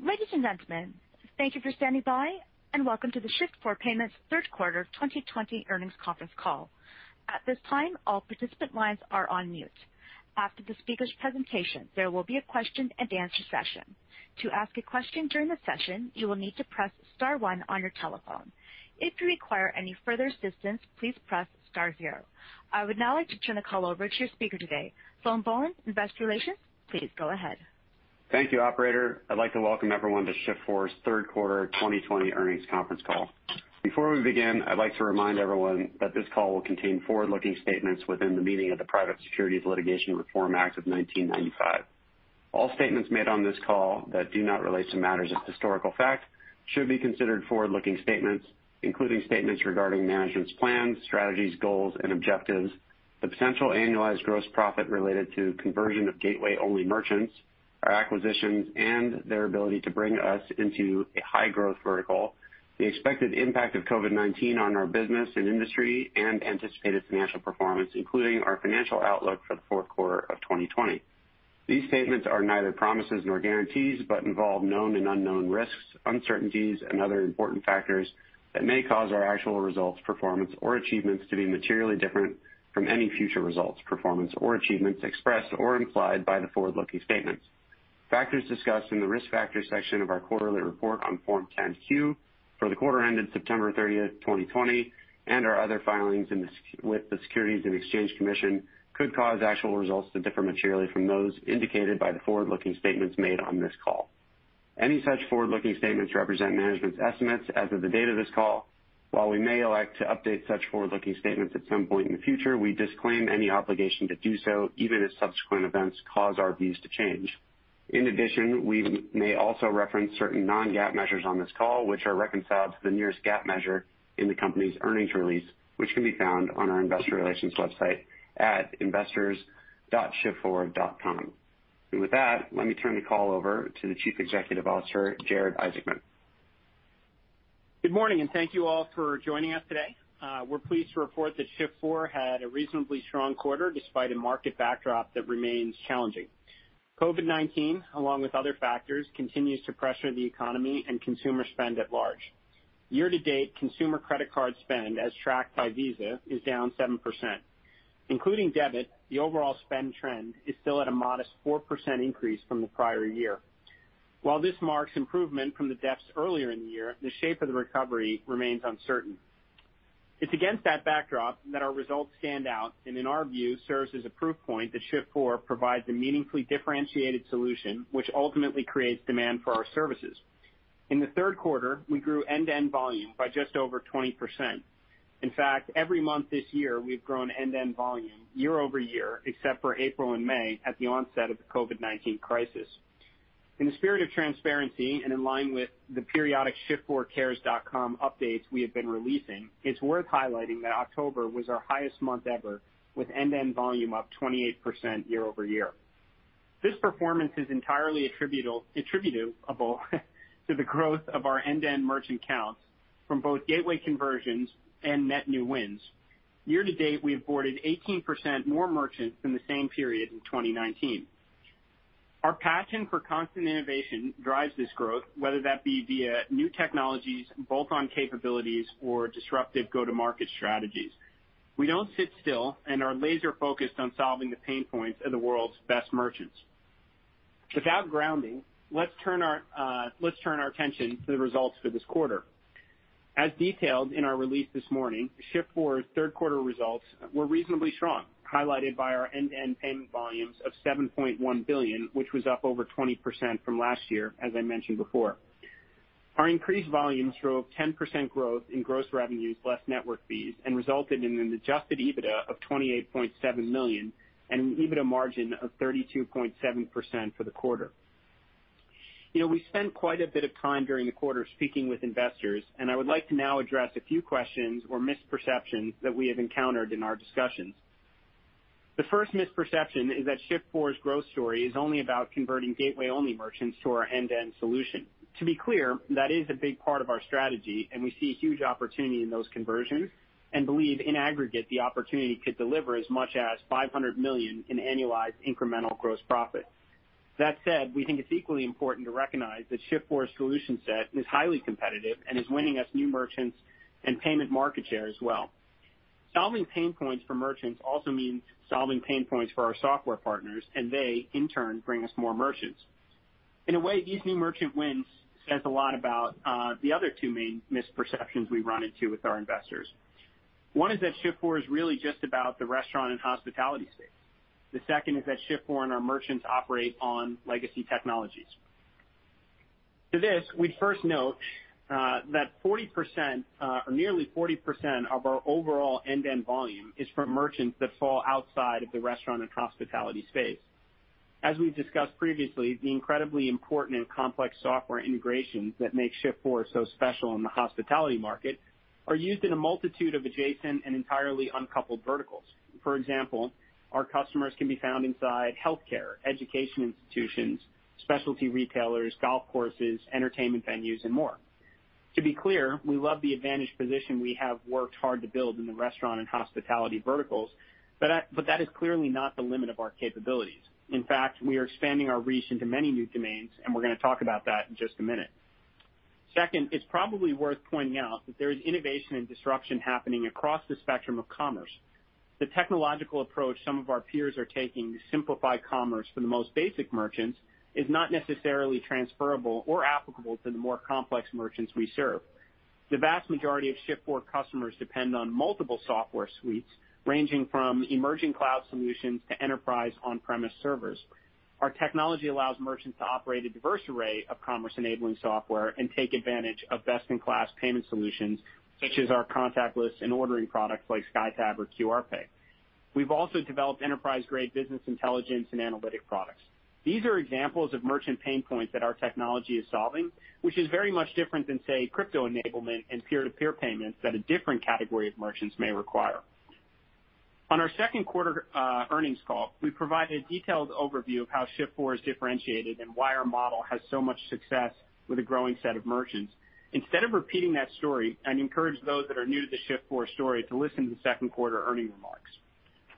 Ladies and gentlemen, thank you for standing by, and welcome to the Shift4 Payments Third Quarter 2020 Earnings Conference Call. At this time all participants' lines are on mute. After the speakers' presentation there will be a question-and-answer session. To ask a question during the session you will need to press star one on your telephone. If you require any further assistance please press star zero. I would now like to turn the call over to your speaker today, Sloan Bohlen, Investor Relations. Please go ahead. Thank you, operator. I'd like to welcome everyone to Shift4's third quarter 2020 earnings conference call. Before we begin, I'd like to remind everyone that this call will contain forward-looking statements within the meaning of the Private Securities Litigation Reform Act of 1995. All statements made on this call that do not relate to matters of historical fact should be considered forward-looking statements, including statements regarding management's plans, strategies, goals, and objectives, the potential annualized gross profit related to conversion of gateway-only merchants, our acquisitions, and their ability to bring us into a high-growth vertical, the expected impact of COVID-19 on our business and industry, and anticipated financial performance, including our financial outlook for the fourth quarter of 2020. These statements are neither promises nor guarantees but involve known and unknown risks, uncertainties, and other important factors that may cause our actual results, performance, or achievements to be materially different from any future results, performance, or achievements expressed or implied by the forward-looking statements. Factors discussed in the Risk Factors section of our quarterly report on Form 10-Q for the quarter ended September 30th, 2020, and our other filings with the Securities and Exchange Commission could cause actual results to differ materially from those indicated by the forward-looking statements made on this call. Any such forward-looking statements represent management's estimates as of the date of this call. While we may elect to update such forward-looking statements at some point in the future, we disclaim any obligation to do so, even if subsequent events cause our views to change. In addition, we may also reference certain non-GAAP measures on this call, which are reconciled to the nearest GAAP measure in the company's earnings release, which can be found on our investor relations website at investors.shift4.com. With that, let me turn the call over to the Chief Executive Officer, Jared Isaacman. Good morning, and thank you all for joining us today. We're pleased to report that Shift4 had a reasonably strong quarter despite a market backdrop that remains challenging. COVID-19, along with other factors, continues to pressure the economy and consumer spend at large. Year to date, consumer credit card spend, as tracked by Visa, is down 7%. Including debit, the overall spend trend is still at a modest 4% increase from the prior year. While this marks improvement from the depths earlier in the year, the shape of the recovery remains uncertain. It's against that backdrop that our results stand out and, in our view, serves as a proof point that Shift4 provides a meaningfully differentiated solution which ultimately creates demand for our services. In the third quarter, we grew end-to-end volume by just over 20%. In fact, every month this year, we've grown end-to-end volume year-over-year, except for April and May at the onset of the COVID-19 crisis. In the spirit of transparency and in line with the periodic shift4cares.com updates we have been releasing, it's worth highlighting that October was our highest month ever, with end-to-end volume up 28% year-over-year. This performance is entirely attributable to the growth of our end-to-end merchant counts from both gateway conversions and net new wins. Year-to-date, we've boarded 18% more merchants than the same period in 2019. Our passion for constant innovation drives this growth, whether that be via new technologies, bolt-on capabilities, or disruptive Go-To-Market strategies. We don't sit still and are laser-focused on solving the pain points of the world's best merchants. With that grounding, let's turn our attention to the results for this quarter. As detailed in our release this morning, Shift4's third quarter results were reasonably strong, highlighted by our end-to-end payment volumes of $7.1 billion, which was up over 20% from last year, as I mentioned before. Our increased volumes drove 10% growth in gross revenues less network fees and resulted in an adjusted EBITDA of $28.7 million and an EBITDA margin of 32.7% for the quarter. We spent quite a bit of time during the quarter speaking with investors, and I would like to now address a few questions or misperceptions that we have encountered in our discussions. The first misperception is that Shift4's growth story is only about converting gateway-only merchants to our end-to-end solution. To be clear, that is a big part of our strategy, and we see huge opportunity in those conversions and believe in aggregate, the opportunity could deliver as much as $500 million in annualized incremental gross profit. That said, we think it's equally important to recognize that Shift4's solution set is highly competitive and is winning us new merchants and payment market share as well. Solving pain points for merchants also means solving pain points for our software partners, and they, in turn, bring us more merchants. In a way, these new merchant wins says a lot about the other two main misperceptions we run into with our investors. One is that Shift4 is really just about the restaurant and hospitality space. The second is that Shift4 and our merchants operate on legacy technologies. To this, we'd first note that 40%, or nearly 40%, of our overall end-to-end volume is from merchants that fall outside of the restaurant and hospitality space. As we've discussed previously, the incredibly important and complex software integrations that make Shift4 so special in the hospitality market are used in a multitude of adjacent and entirely uncoupled verticals. For example, our customers can be found inside healthcare, education institutions, specialty retailers, golf courses, entertainment venues, and more. To be clear, we love the advantaged position we have worked hard to build in the restaurant and hospitality verticals, but that is clearly not the limit of our capabilities. In fact, we are expanding our reach into many new domains, and we're going to talk about that in just a minute. Second, it's probably worth pointing out that there is innovation and disruption happening across the spectrum of commerce. The technological approach some of our peers are taking to simplify commerce for the most basic merchants is not necessarily transferable or applicable to the more complex merchants we serve. The vast majority of Shift4 customers depend on multiple software suites, ranging from emerging cloud solutions to enterprise on-premise servers. Our technology allows merchants to operate a diverse array of commerce-enabling software and take advantage of best-in-class payment solutions, such as our contactless and ordering products like SkyTab or QR Pay. We've also developed enterprise-grade business intelligence and analytic products. These are examples of merchant pain points that our technology is solving, which is very much different than, say, crypto enablement and peer-to-peer payments that a different category of merchants may require. On our second quarter earnings call, we provided a detailed overview of how Shift4 is differentiated and why our model has so much success with a growing set of merchants. Instead of repeating that story, I'd encourage those that are new to the Shift4 story to listen to the second quarter earnings remarks.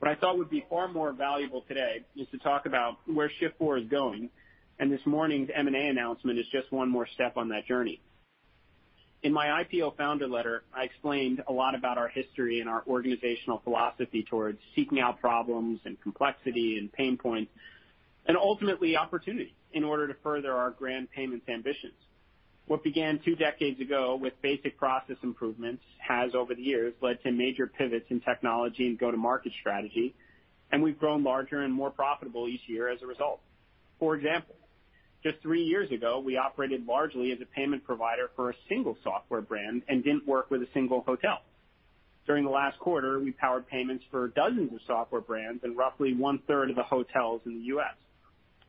What I thought would be far more valuable today is to talk about where Shift4 is going, and this morning's M&A announcement is just one more step on that journey. In my IPO founder letter, I explained a lot about our history and our organizational philosophy towards seeking out problems and complexity and pain points, and ultimately opportunity in order to further our grand payments ambitions. What began two decades ago with basic process improvements has, over the years, led to major pivots in technology and Go-To-Market strategy, and we've grown larger and more profitable each year as a result. For example, just three years ago, we operated largely as a payment provider for a single software brand and didn't work with a single hotel. During the last quarter, we powered payments for dozens of software brands and roughly one-third of the hotels in the U.S.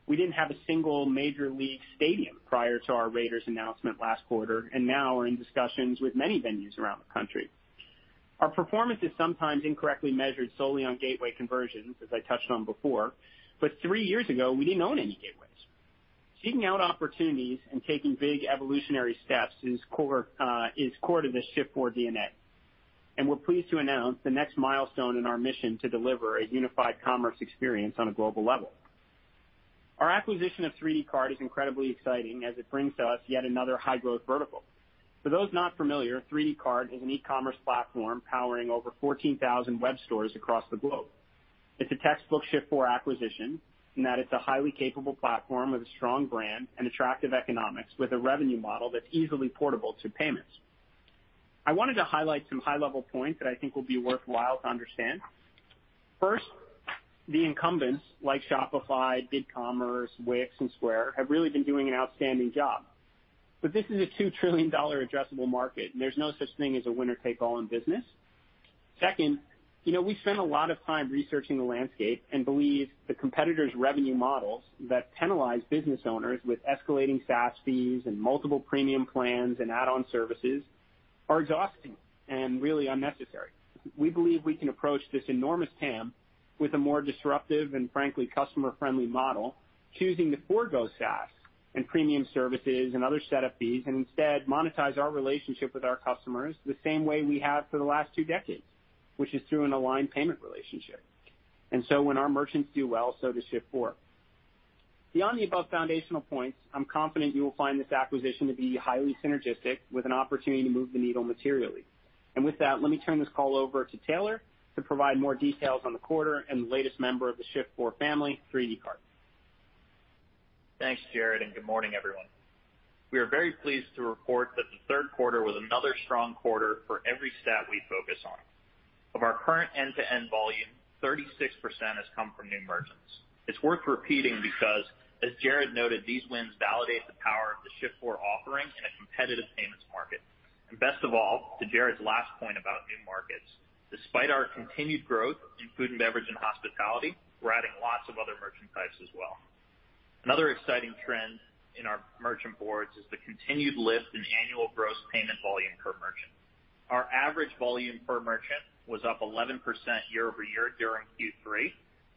We didn't have a single major league stadium prior to our Raiders announcement last quarter, and now are in discussions with many venues around the country. Our performance is sometimes incorrectly measured solely on gateway conversions, as I touched on before, but three years ago, we didn't own any gateways. Seeking out opportunities and taking big evolutionary steps is core to the Shift4 DNA, and we're pleased to announce the next milestone in our mission to deliver a unified commerce experience on a global level. Our acquisition of 3dcart is incredibly exciting as it brings to us yet another high-growth vertical. For those not familiar, 3dcart is an e-commerce platform powering over 14,000 web stores across the globe. It's a textbook Shift4 acquisition in that it's a highly capable platform with a strong brand and attractive economics with a revenue model that's easily portable to payments. I wanted to highlight some high-level points that I think will be worthwhile to understand. First, the incumbents like Shopify, BigCommerce, Wix, and Square have really been doing an outstanding job. This is a $2 trillion addressable market. There's no such thing as a winner-take-all in business. Second, we've spent a lot of time researching the landscape and believe the competitors' revenue models that penalize business owners with escalating SaaS fees and multiple premium plans and add-on services are exhausting and really unnecessary. We believe we can approach this enormous TAM with a more disruptive and frankly, customer-friendly model, choosing to forgo SaaS and premium services and other setup fees, and instead monetize our relationship with our customers the same way we have for the last two decades, which is through an aligned payment relationship. When our merchants do well, so does Shift4. Beyond the above foundational points, I'm confident you will find this acquisition to be highly synergistic with an opportunity to move the needle materially. With that, let me turn this call over to Taylor to provide more details on the quarter and the latest member of the Shift4 family, 3dcart. Thanks, Jared, and good morning, everyone. We are very pleased to report that the third quarter was another strong quarter for every stat we focus on. Of our current end-to-end volume, 36% has come from new merchants. It's worth repeating because, as Jared noted, these wins validate the power of the Shift4 offering in a competitive payments market. Best of all, to Jared's last point about new markets, despite our continued growth in food and beverage and hospitality, we're adding lots of other merchant types as well. Another exciting trend in our merchant boards is the continued lift in annual gross payment volume per merchant. Our average volume per merchant was up 11% year-over-year during Q3,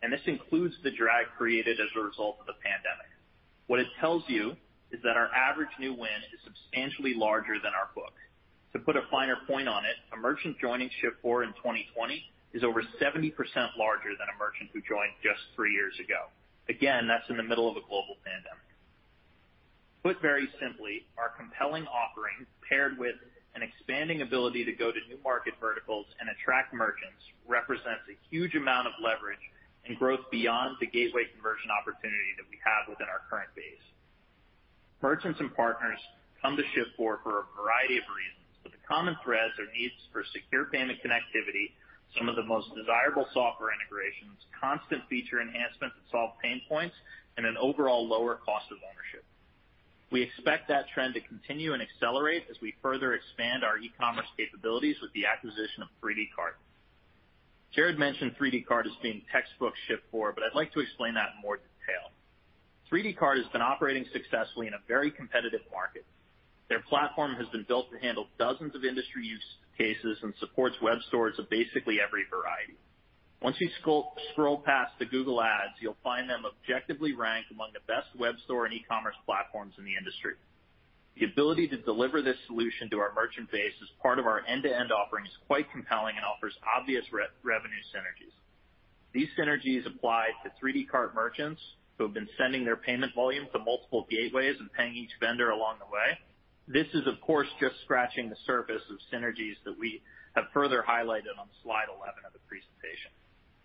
and this includes the drag created as a result of the pandemic. What it tells you is that our average new win is substantially larger than our book. To put a finer point on it, a merchant joining Shift4 in 2020 is over 70% larger than a merchant who joined just three years ago. Again, that's in the middle of a global pandemic. Put very simply, our compelling offering, paired with an expanding ability to go to new market verticals and attract merchants, represents a huge amount of leverage and growth beyond the gateway conversion opportunity that we have within our current base. Merchants and partners come to Shift4 for a variety of reasons, but the common threads are needs for secure payment connectivity, some of the most desirable software integrations, constant feature enhancements that solve pain points, and an overall lower cost of ownership. We expect that trend to continue and accelerate as we further expand our e-commerce capabilities with the acquisition of 3dcart. Jared mentioned 3dcart as being textbook Shift4, but I'd like to explain that in more detail. 3dcart has been operating successfully in a very competitive market. Their platform has been built to handle dozens of industry use cases and supports web stores of basically every variety. Once you scroll past the Google ads, you'll find them objectively ranked among the best web store and e-commerce platforms in the industry. The ability to deliver this solution to our merchant base as part of our end-to-end offering is quite compelling and offers obvious revenue synergies. These synergies apply to 3dcart merchants who have been sending their payment volume to multiple gateways and paying each vendor along the way. This is, of course, just scratching the surface of synergies that we have further highlighted on slide 11 of the presentation.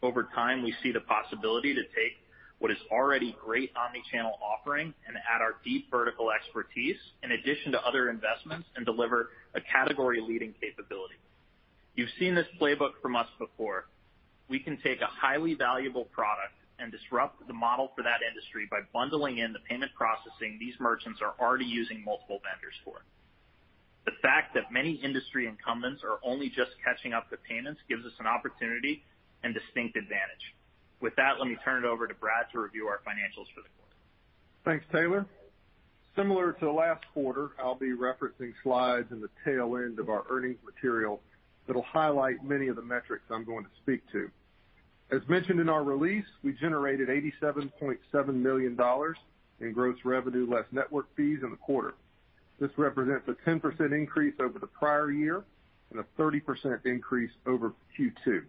Over time, we see the possibility to take what is already great omni-channel offering and add our deep vertical expertise in addition to other investments, and deliver a category-leading capability. You've seen this playbook from us before. We can take a highly valuable product and disrupt the model for that industry by bundling in the payment processing these merchants are already using multiple vendors for. The fact that many industry incumbents are only just catching up to payments gives us an opportunity and distinct advantage. With that, let me turn it over to Brad to review our financials for the quarter. Thanks, Taylor. Similar to last quarter, I'll be referencing slides in the tail end of our earnings material that'll highlight many of the metrics I'm going to speak to. As mentioned in our release, we generated $87.7 million in gross revenue less network fees in the quarter. This represents a 10% increase over the prior year and a 30% increase over Q2.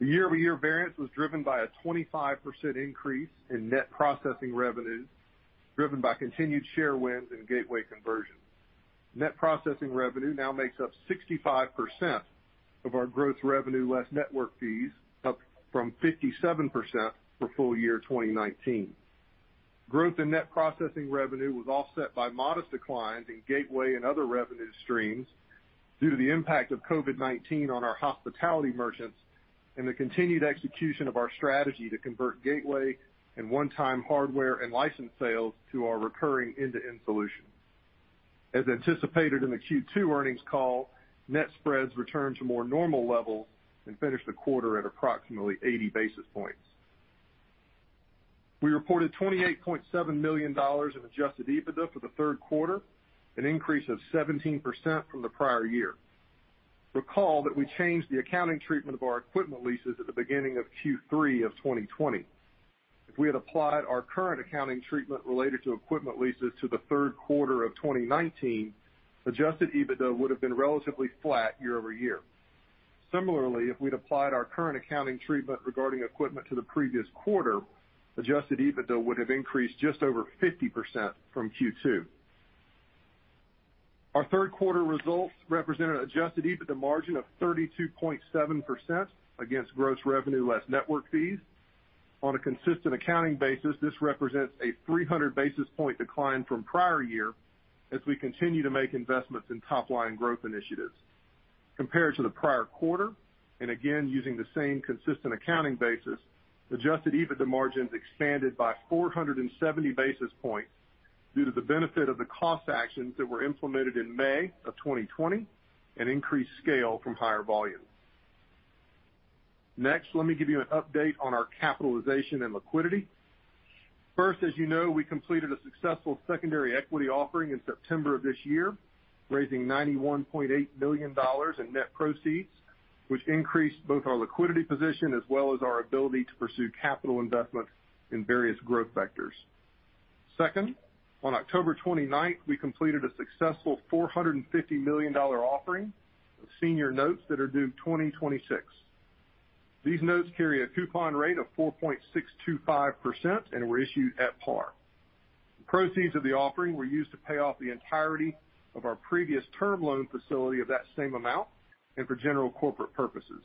The year-over-year variance was driven by a 25% increase in net processing revenue, driven by continued share wins and gateway conversions. Net processing revenue now makes up 65% of our gross revenue, less network fees, up from 57% for full year 2019. Growth in net processing revenue was offset by modest declines in gateway and other revenue streams due to the impact of COVID-19 on our hospitality merchants and the continued execution of our strategy to convert gateway and one-time hardware and license sales to our recurring end-to-end solution. As anticipated in the Q2 earnings call, net spreads returned to more normal levels and finished the quarter at approximately 80 basis points. We reported $28.7 million in adjusted EBITDA for the third quarter, an increase of 17% from the prior year. Recall that we changed the accounting treatment of our equipment leases at the beginning of Q3 of 2020. If we had applied our current accounting treatment related to equipment leases to the third quarter of 2019, adjusted EBITDA would've been relatively flat year-over-year. Similarly, if we'd applied our current accounting treatment regarding equipment to the previous quarter, adjusted EBITDA would've increased just over 50% from Q2. Our third quarter results represented adjusted EBITDA margin of 32.7% against gross revenue, less network fees. On a consistent accounting basis, this represents a 300-basis-point decline from prior year as we continue to make investments in top-line growth initiatives. Compared to the prior quarter, and again using the same consistent accounting basis, adjusted EBITDA margins expanded by 470 basis points due to the benefit of the cost actions that were implemented in May of 2020 and increased scale from higher volume. Next, let me give you an update on our capitalization and liquidity. First, as you know, we completed a successful secondary equity offering in September of this year, raising $91.8 million in net proceeds, which increased both our liquidity position as well as our ability to pursue capital investment in various growth vectors. Second, on October 29th, we completed a successful $450 million offering of senior notes that are due 2026. These notes carry a coupon rate of 4.625% and were issued at par. The proceeds of the offering were used to pay off the entirety of our previous term loan facility of that same amount and for general corporate purposes.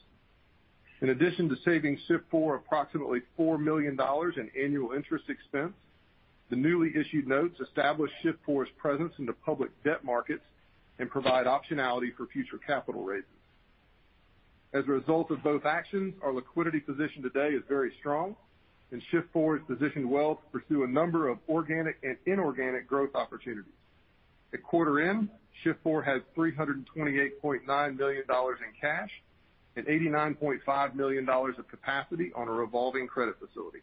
In addition to saving Shift4 approximately $4 million in annual interest expense, the newly issued notes establish Shift4's presence in the public debt markets and provide optionality for future capital raises. As a result of both actions, our liquidity position today is very strong, and Shift4 is positioned well to pursue a number of organic and inorganic growth opportunities. At quarter end, Shift4 had $328.9 million in cash and $89.5 million of capacity on a revolving credit facility.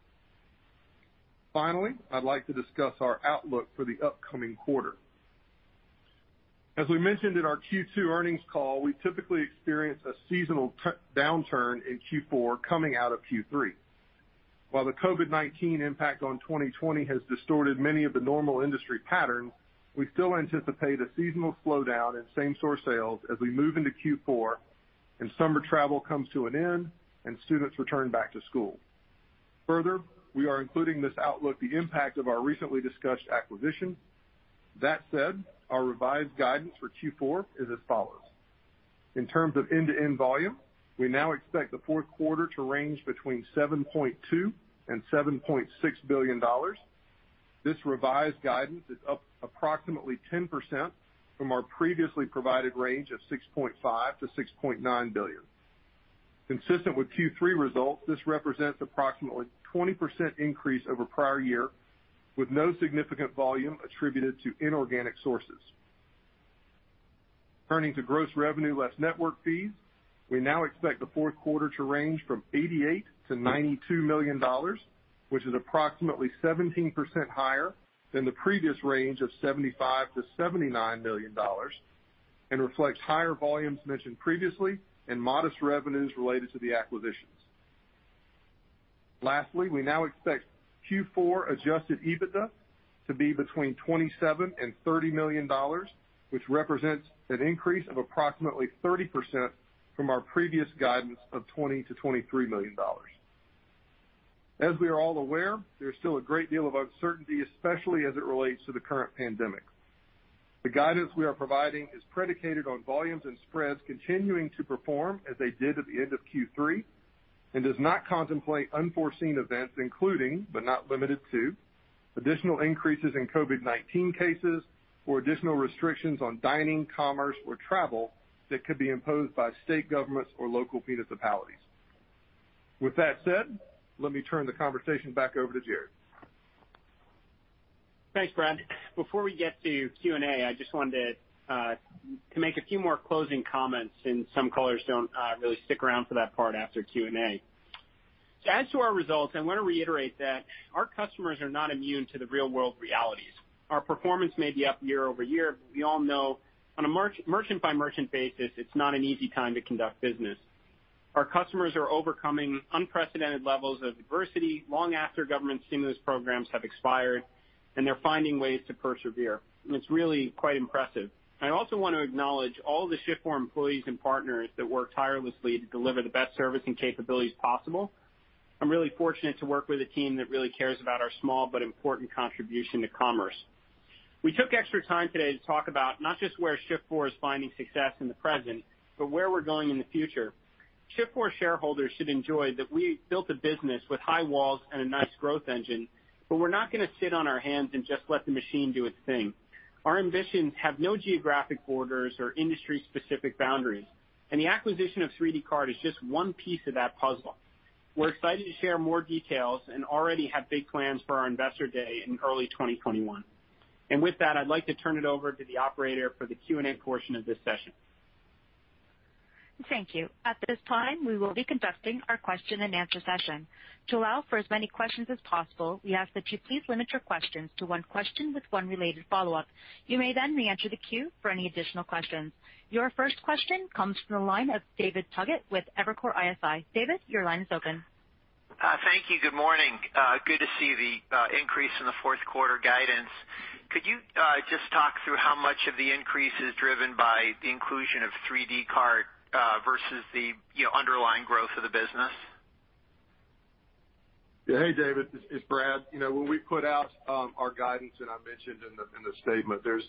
Finally, I'd like to discuss our outlook for the upcoming quarter. As we mentioned in our Q2 earnings call, we typically experience a seasonal downturn in Q4 coming out of Q3. While the COVID-19 impact on 2020 has distorted many of the normal industry patterns, we still anticipate a seasonal slowdown in same-store sales as we move into Q4 and summer travel comes to an end and students return back to school. Further, we are including in this outlook the impact of our recently discussed acquisition. That said, our revised guidance for Q4 is as follows. In terms of end-to-end volume, we now expect the fourth quarter to range between $7.2 billion and $7.6 billion. This revised guidance is up approximately 10% from our previously provided range of $6.5 billion-$6.9 billion. Consistent with Q3 results, this represents approximately 20% increase over prior year, with no significant volume attributed to inorganic sources. Turning to gross revenue, less network fees, we now expect the fourth quarter to range from $88 million-$92 million, which is approximately 17% higher than the previous range of $75 million-$79 million. Reflects higher volumes mentioned previously and modest revenues related to the acquisitions. Lastly, we now expect Q4 adjusted EBITDA to be between $27 million and $30 million, which represents an increase of approximately 30% from our previous guidance of $20 million to $23 million. As we are all aware, there is still a great deal of uncertainty, especially as it relates to the current pandemic. The guidance we are providing is predicated on volumes and spreads continuing to perform as they did at the end of Q3 and does not contemplate unforeseen events, including, but not limited to, additional increases in COVID-19 cases or additional restrictions on dining, commerce, or travel that could be imposed by state governments or local municipalities. With that said, let me turn the conversation back over to Jared. Thanks, Brad. Before we get to Q&A, I just wanted to make a few more closing comments. Some callers don't really stick around for that part after Q&A. To add to our results, I want to reiterate that our customers are not immune to the real-world realities. Our performance may be up year-over-year, we all know on a merchant-by-merchant basis, it's not an easy time to conduct business. Our customers are overcoming unprecedented levels of adversity long after government stimulus programs have expired. They're finding ways to persevere. It's really quite impressive. I also want to acknowledge all the Shift4 employees and partners that work tirelessly to deliver the best service and capabilities possible. I'm really fortunate to work with a team that really cares about our small but important contribution to commerce. We took extra time today to talk about not just where Shift4 is finding success in the present, but where we're going in the future. Shift4 shareholders should enjoy that we built a business with high walls and a nice growth engine, but we're not going to sit on our hands and just let the machine do its thing. Our ambitions have no geographic borders or industry-specific boundaries, and the acquisition of 3dcart is just one piece of that puzzle. We're excited to share more details and already have big plans for our investor day in early 2021. With that, I'd like to turn it over to the operator for the Q&A portion of this session. Thank you. At this time, we will be conducting our question-and-answer session. To allow for as many questions as possible, we ask that you please limit your questions to one question with one related follow-up. You may then reenter the queue for any additional questions. Your first question comes from the line of David Togut with Evercore ISI. David, your line is open. Thank you. Good morning. Good to see the increase in the fourth quarter guidance. Could you just talk through how much of the increase is driven by the inclusion of 3dcart versus the underlying growth of the business? Hey, David. It's Brad. When we put out our guidance, and I mentioned in the statement, there's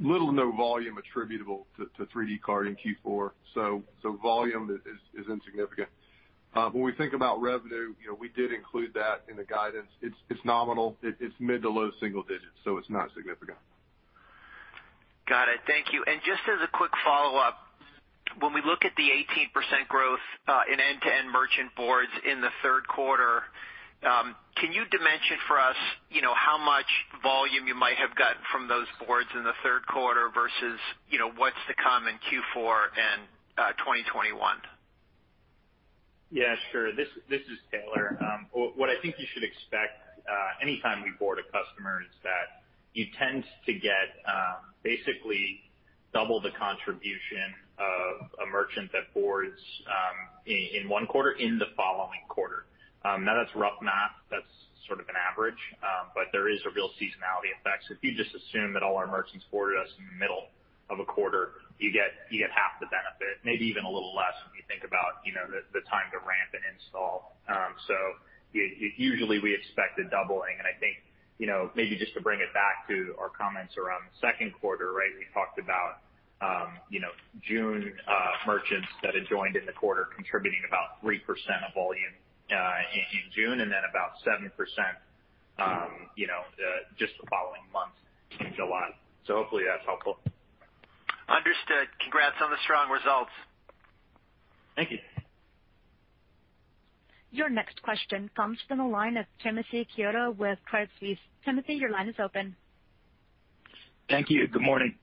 little to no volume attributable to 3dcart in Q4, so volume is insignificant. When we think about revenue, we did include that in the guidance. It's nominal. It's mid to low single digits, so it's not significant. Got it. Thank you. Just as a quick follow-up, when we look at the 18% growth in end-to-end merchant boards in the third quarter, can you dimension for us how much volume you might have gotten from those boards in the third quarter versus what's to come in Q4 and 2021? Yeah, sure. This is Taylor. What I think you should expect anytime we board a customer is that you tend to get basically double the contribution of a merchant that boards in one quarter in the following quarter. That's rough math. That's sort of an average. There is a real seasonality effect. If you just assume that all our merchants boarded us in the middle of a quarter, you get half the benefit, maybe even a little less when you think about the time to ramp an install. Usually, we expect a doubling, and I think maybe just to bring it back to our comments around the second quarter, we talked about June merchants that had joined in the quarter contributing about 3% of volume in June and then about 7% just the following month in July. Hopefully that's helpful. Understood. Congrats on the strong results. Thank you. Your next question comes from the line of Timothy Chiodo with Credit Suisse. Timothy, your line is open. Thank you. Good morning.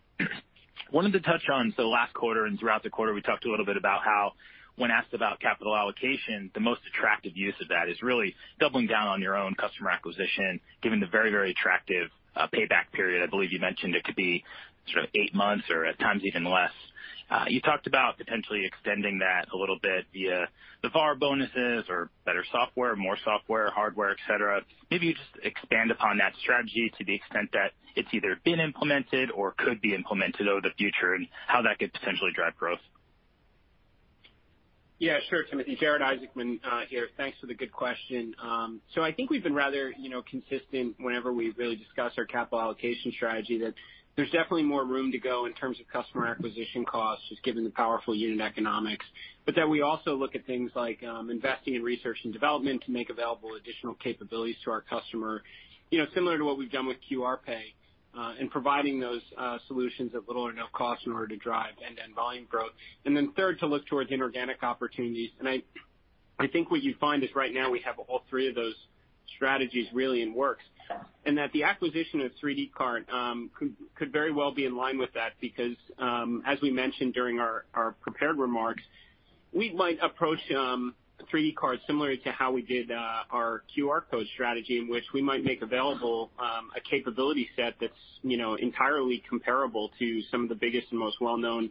Wanted to touch on, last quarter and throughout the quarter, we talked a little bit about how, when asked about capital allocation, the most attractive use of that is really doubling down on your own customer acquisition, given the very attractive payback period. I believe you mentioned it could be eight months or at times even less. You talked about potentially extending that a little bit via the VAR bonuses or better software, more software, hardware, et cetera. Maybe you just expand upon that strategy to the extent that it's either been implemented or could be implemented over the future, and how that could potentially drive growth? Yeah, sure, Timothy. Jared Isaacman here. Thanks for the good question. I think we've been rather consistent whenever we really discuss our capital allocation strategy, that there's definitely more room to go in terms of customer acquisition costs, just given the powerful unit economics. That we also look at things like investing in research and development to make available additional capabilities to our customer. Similar to what we've done with QR Pay, and providing those solutions at little or no cost in order to drive end-to-end volume growth. Third, to look towards inorganic opportunities. I think what you'd find is right now we have all three of those strategies really in works, and that the acquisition of 3dcart could very well be in line with that because, as we mentioned during our prepared remarks. We might approach 3dcart similarly to how we did our QR code strategy, in which we might make available a capability set that's entirely comparable to some of the biggest and most well-known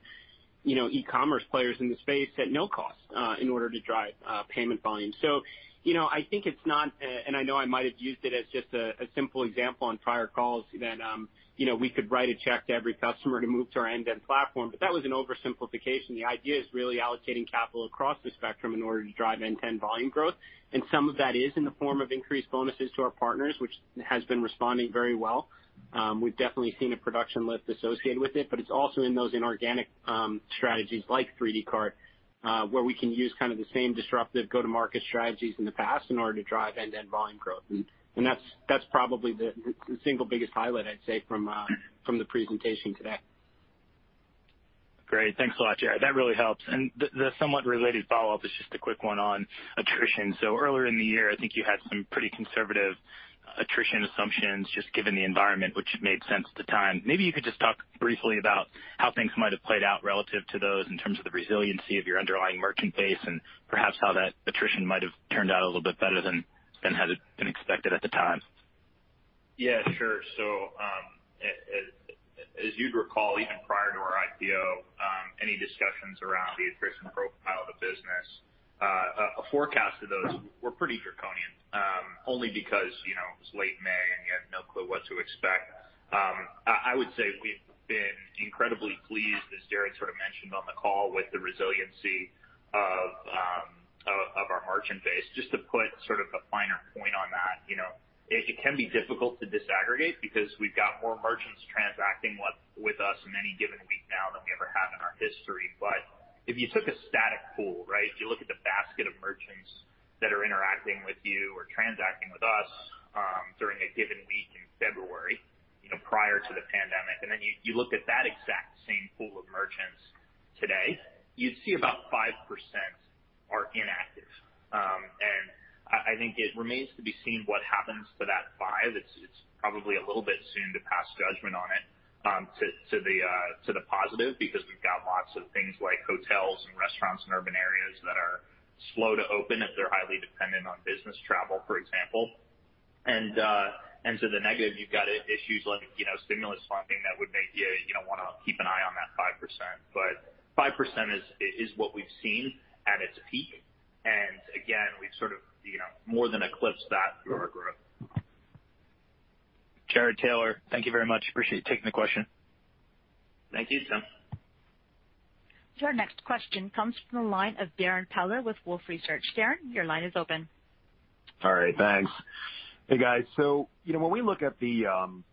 e-commerce players in the space at no cost, in order to drive payment volume. I think it's not, and I know I might have used it as just a simple example on prior calls, that we could write a check to every customer to move to our end-to-end platform. That was an oversimplification. The idea is really allocating capital across the spectrum in order to drive end-to-end volume growth. Some of that is in the form of increased bonuses to our partners, which has been responding very well. We've definitely seen a production lift associated with it, but it's also in those inorganic strategies like 3dcart, where we can use kind of the same disruptive go-to-market strategies in the past in order to drive end-to-end volume growth. That's probably the single biggest highlight, I'd say, from the presentation today. Great. Thanks a lot, Jared. That really helps. The somewhat related follow-up is just a quick one on attrition. Earlier in the year, I think you had some pretty conservative attrition assumptions, just given the environment, which made sense at the time. Maybe you could just talk briefly about how things might have played out relative to those in terms of the resiliency of your underlying merchant base, and perhaps how that attrition might have turned out a little bit better than had been expected at the time. Yeah, sure. As you'd recall, even prior to our IPO, any discussions around the attrition profile of the business, a forecast of those were pretty draconian. Only because it was late May and you had no clue what to expect. I would say we've been incredibly pleased, as Jared sort of mentioned on the call, with the resiliency of our merchant base. Just to put sort of a finer point on that. It can be difficult to disaggregate because we've got more merchants transacting with us in any given week now than we ever have in our history. If you took a static pool, right, if you look at the basket of merchants that are interacting with you or transacting with us during a given week in February, prior to the pandemic, and then you look at that exact same pool of merchants today, you'd see about 5% are inactive. I think it remains to be seen what happens to that 5%. It's probably a little bit soon to pass judgment on it to the positive because we've got lots of things like hotels and restaurants in urban areas that are slow to open if they're highly dependent on business travel, for example. To the negative, you've got issues like stimulus funding that would make you want to keep an eye on that 5%. 5% is what we've seen at its peak. Again, we've sort of more than eclipsed that through our growth. Jared, Taylor, thank you very much. Appreciate you taking the question. Thank you, Tim. Your next question comes from the line of Darrin Peller with Wolfe Research. Darrin, your line is open. All right, thanks. Hey, guys. When we look at the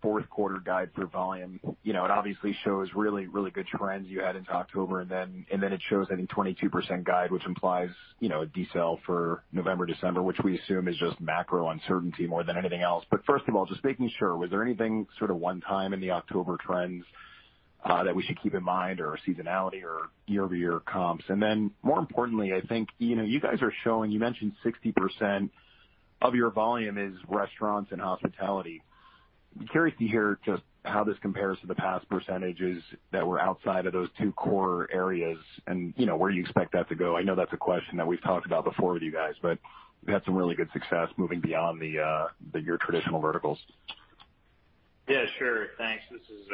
fourth quarter guide through volume, it obviously shows really good trends you had into October, and then it shows a 22% guide, which implies a decel for November, December, which we assume is just macro uncertainty more than anything else. First of all, just making sure, was there anything sort of one time in the October trends that we should keep in mind or seasonality or year-over-year comps? More importantly, I think you guys are showing, you mentioned 60% of your volume is restaurants and hospitality. Curious to hear just how this compares to the past percentages that were outside of those two core areas and where you expect that to go. I know that's a question that we've talked about before with you guys, but you've had some really good success moving beyond your traditional verticals. Yeah, sure. Thanks. This is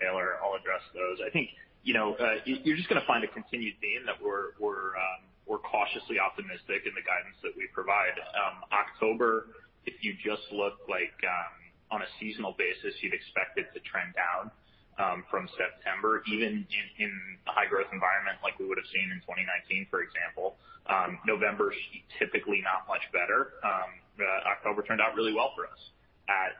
Taylor. I'll address those. I think you're just going to find a continued theme that we're cautiously optimistic in the guidance that we provide. October, if you just look on a seasonal basis, you'd expect it to trend down from September, even in a high-growth environment like we would've seen in 2019, for example. November is typically not much better. October turned out really well for us at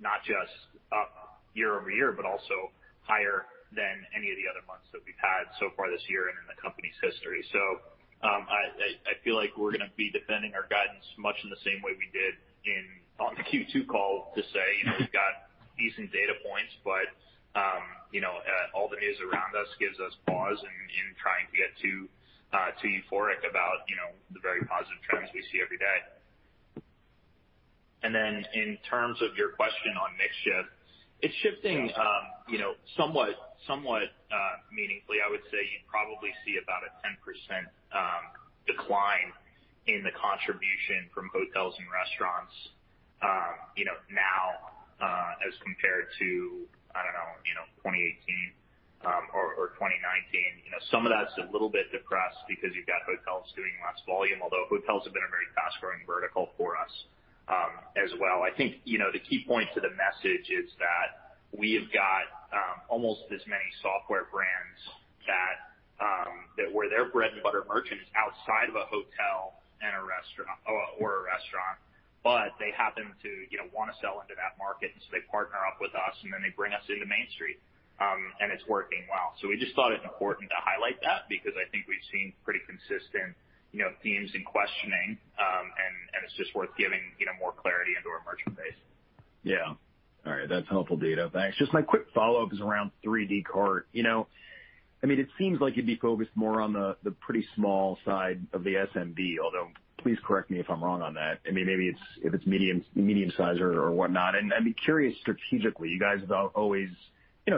not just up year-over-year, but also higher than any of the other months that we've had so far this year and in the company's history. I feel like we're going to be defending our guidance much in the same way we did on the Q2 call to say we've got decent data points, but all the news around us gives us pause in trying to get too euphoric about the very positive trends we see every day. Then in terms of your question on mix shift, it's shifting somewhat meaningfully. I would say you'd probably see about a 10% decline in the contribution from hotels and restaurants now as compared to, I don't know, 2018 or 2019. Some of that's a little bit depressed because you've got hotels doing less volume, although hotels have been a very fast-growing vertical for us as well. I think the key point to the message is that we have got almost as many software brands that where their bread and butter merchant is outside of a hotel or a restaurant, but they happen to want to sell into that market, and so they partner up with us, and then they bring us into Main Street. It's working well. We just thought it important to highlight that because I think we've seen pretty consistent themes in questioning. It's just worth giving more clarity into our merchant base. Yeah. All right. That's helpful data. Thanks. Just my quick follow-up is around 3dcart. It seems like you'd be focused more on the pretty small side of the SMB, although please correct me if I'm wrong on that. Maybe if it's medium size or whatnot. And I'd be curious strategically, you guys have always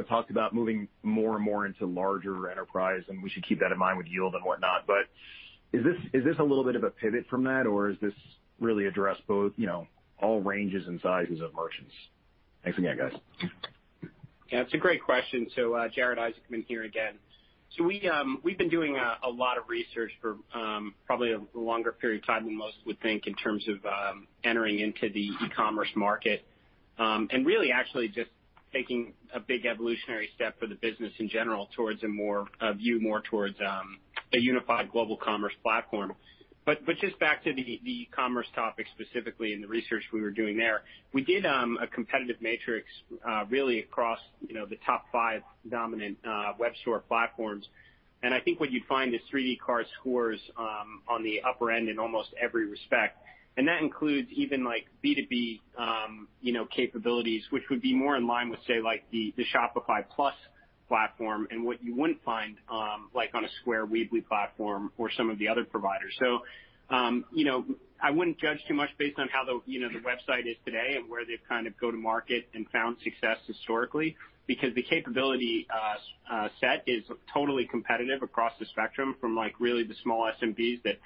talked about moving more and more into larger enterprise, and we should keep that in mind with yield and whatnot, but is this a little bit of a pivot from that, or does this really address both all ranges and sizes of merchants? Thanks again, guys. Yeah, it's a great question. Jared Isaacman here again. We've been doing a lot of research for probably a longer period of time than most would think in terms of entering into the e-commerce market. Really actually just taking a big evolutionary step for the business in general towards a view more towards a unified global commerce platform. Just back to the e-commerce topic specifically and the research we were doing there, we did a competitive matrix really across the top five dominant web store platforms. I think what you'd find is 3dcart scores on the upper end in almost every respect. That includes even B2B capabilities, which would be more in line with, say, the Shopify Plus platform and what you wouldn't find on a Square, Weebly platform or some of the other providers. I wouldn't judge too much based on how the website is today and where they've kind of Go-To-Market and found success historically, because the capability set is totally competitive across the spectrum from really the small SMBs that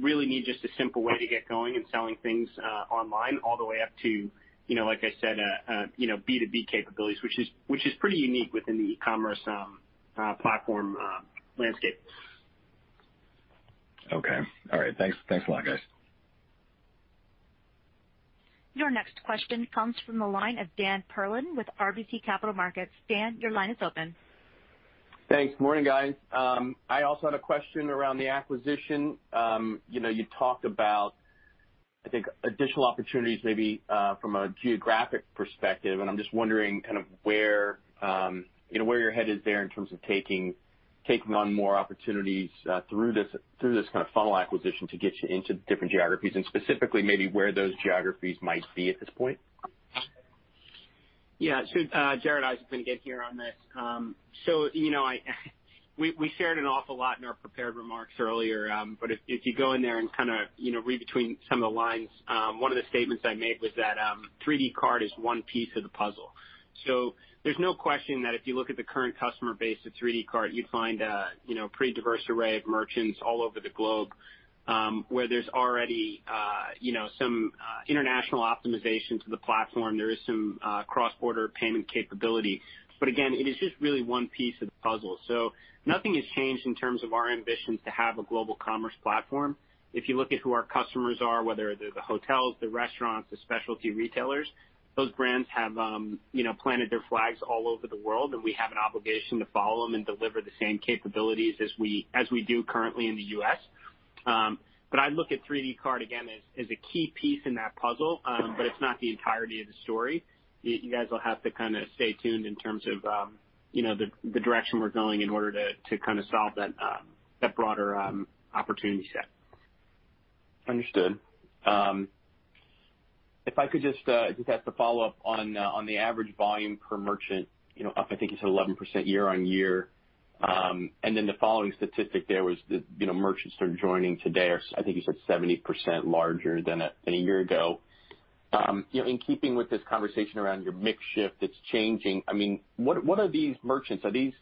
really need just a simple way to get going and selling things online all the way up to like I said, B2B capabilities, which is pretty unique within the e-commerce platform landscape. Okay. All right. Thanks a lot, guys. Your next question comes from the line of Dan Perlin with RBC Capital Markets. Dan, your line is open. Thanks. Morning, guys. I also had a question around the acquisition. You talked about, I think, additional opportunities maybe from a geographic perspective. I'm just wondering where your head is there in terms of taking on more opportunities through this kind of funnel acquisition to get you into different geographies. Specifically maybe where those geographies might be at this point. Yeah. Jared Isaacman again here on this. We shared an awful lot in our prepared remarks earlier. If you go in there and read between some of the lines, one of the statements I made was that 3dcart is one piece of the puzzle. There's no question that if you look at the current customer base of 3dcart, you'd find a pretty diverse array of merchants all over the globe, where there's already some international optimization to the platform. There is some cross-border payment capability. Again, it is just really one piece of the puzzle. Nothing has changed in terms of our ambitions to have a global commerce platform. If you look at who our customers are, whether they're the hotels, the restaurants, the specialty retailers, those brands have planted their flags all over the world, and we have an obligation to follow them and deliver the same capabilities as we do currently in the U.S. I look at 3dcart again as a key piece in that puzzle, but it's not the entirety of the story. You guys will have to kind of stay tuned in terms of the direction we're going in order to kind of solve that broader opportunity set. Understood. If I could just ask a follow-up on the average volume per merchant, up I think you said 11% year-over-year. The following statistic there was the merchants that are joining today are, I think you said 70% larger than a year ago. In keeping with this conversation around your mix shift that's changing, what are these merchants? Are these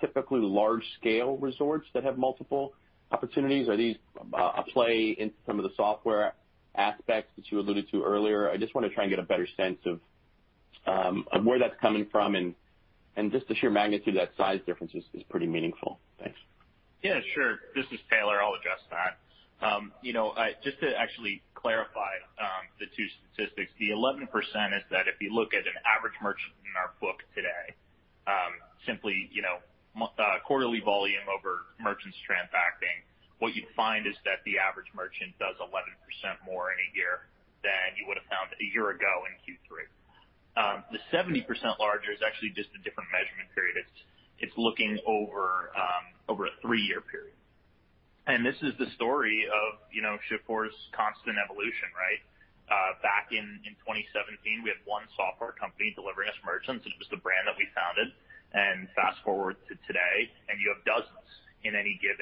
typically large-scale resorts that have multiple opportunities? Are these a play into some of the software aspects that you alluded to earlier? I just want to try and get a better sense of where that's coming from, and just the sheer magnitude of that size difference is pretty meaningful. Thanks. Yeah, sure. This is Taylor. I'll address that. Just to actually clarify the two statistics. The 11% is that if you look at an average merchant in our book today, simply quarterly volume over merchants transacting, what you'd find is that the average merchant does 11% more in a year than you would've found a year ago in Q3. The 70% larger is actually just a different measurement period. It's looking over a three-year period. This is the story of Shift4's constant evolution, right? Back in 2017, we had one software company delivering us merchants, which was the brand that we founded. Fast-forward to today, and you have dozens in any given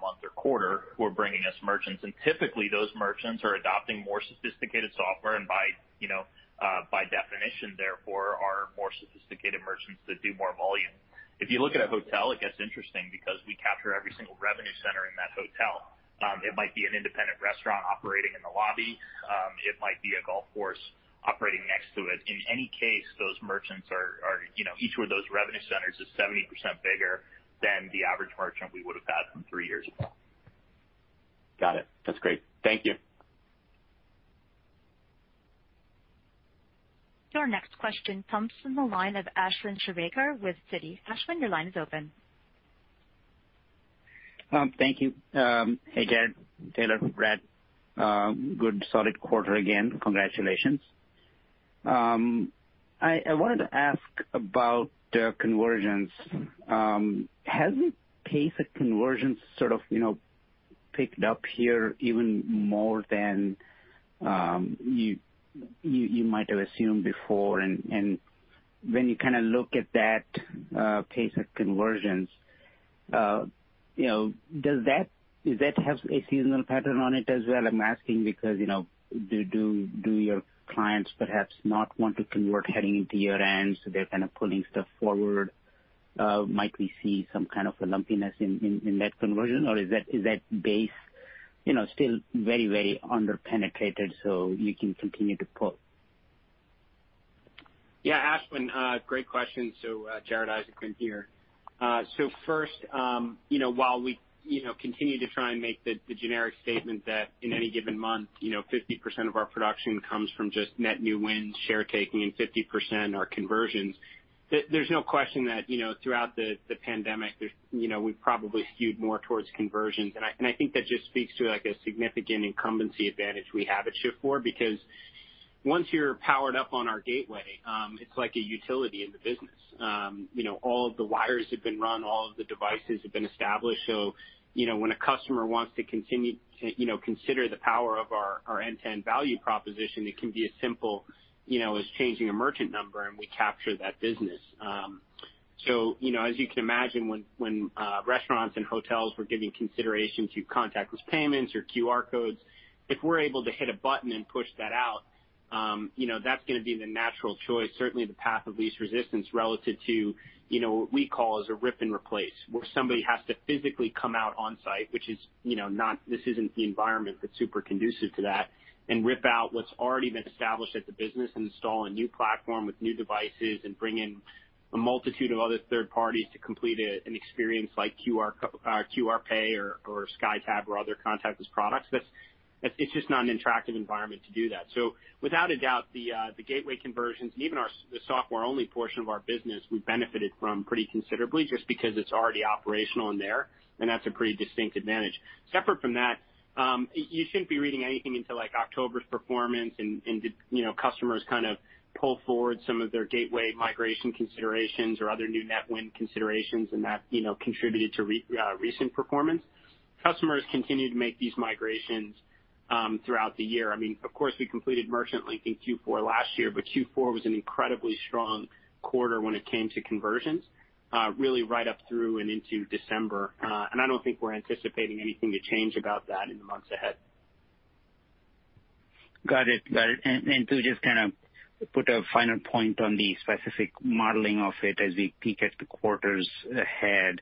month or quarter who are bringing us merchants. Typically, those merchants are adopting more sophisticated software and by definition, therefore, are more sophisticated merchants that do more volume. If you look at a hotel, it gets interesting because we capture every single revenue center in that hotel. It might be an independent restaurant operating in the lobby. It might be a golf course operating next to it. In any case, those merchants, each one of those revenue centers is 70% bigger than the average merchant we would've had from three years ago. Got it. That's great. Thank you. Your next question comes from the line of Ashwin Shirvaikar with Citi. Ashwin, your line is open. Thank you. Hey, Jared, Taylor, Brad. Good solid quarter again. Congratulations. I wanted to ask about the conversions. Has the pace of conversions sort of picked up here even more than you might have assumed before? When you kind of look at that pace of conversions, does that have a seasonal pattern on it as well? I'm asking because do your clients perhaps not want to convert heading into year-end, so they're kind of pulling stuff forward? Might we see some kind of a lumpiness in that conversion, or is that base still very under-penetrated, so you can continue to pull? Yeah, Ashwin, great question. Jared Isaacman here. First, while we continue to try and make the generic statement that in any given month, 50% of our production comes from just net new wins, share taking, and 50% are conversions, there's no question that throughout the pandemic, we've probably skewed more towards conversions. I think that just speaks to a significant incumbency advantage we have at Shift4 because once you're powered up on our gateway, it's like a utility in the business. All of the wires have been run, all of the devices have been established. When a customer wants to consider the power of our end-to-end value proposition, it can be as simple as changing a merchant number, and we capture that business. As you can imagine, when restaurants and hotels were giving consideration to contactless payments or QR codes, if we're able to hit a button and push that out, that's going to be the natural choice, certainly the path of least resistance relative to what we call as a rip and replace, where somebody has to physically come out on site, which this isn't the environment that's super conducive to that Rip out what's already been established at the business and install a new platform with new devices and bring in a multitude of other third parties to complete an experience like QR Pay or SkyTab or other contactless products. It's just not an attractive environment to do that. Without a doubt, the gateway conversions and even the software-only portion of our business, we benefited from pretty considerably just because it's already operational in there, and that's a pretty distinct advantage. Separate from that, you shouldn't be reading anything into October's performance and did customers pull forward some of their gateway migration considerations or other new net win considerations and that contributed to recent performance. Customers continue to make these migrations throughout the year. Of course, we completed Merchant Link in Q4 last year, but Q4 was an incredibly strong quarter when it came to conversions, really right up through and into December. I don't think we're anticipating anything to change about that in the months ahead. Got it. To just put a final point on the specific modeling of it as we peek at the quarters ahead,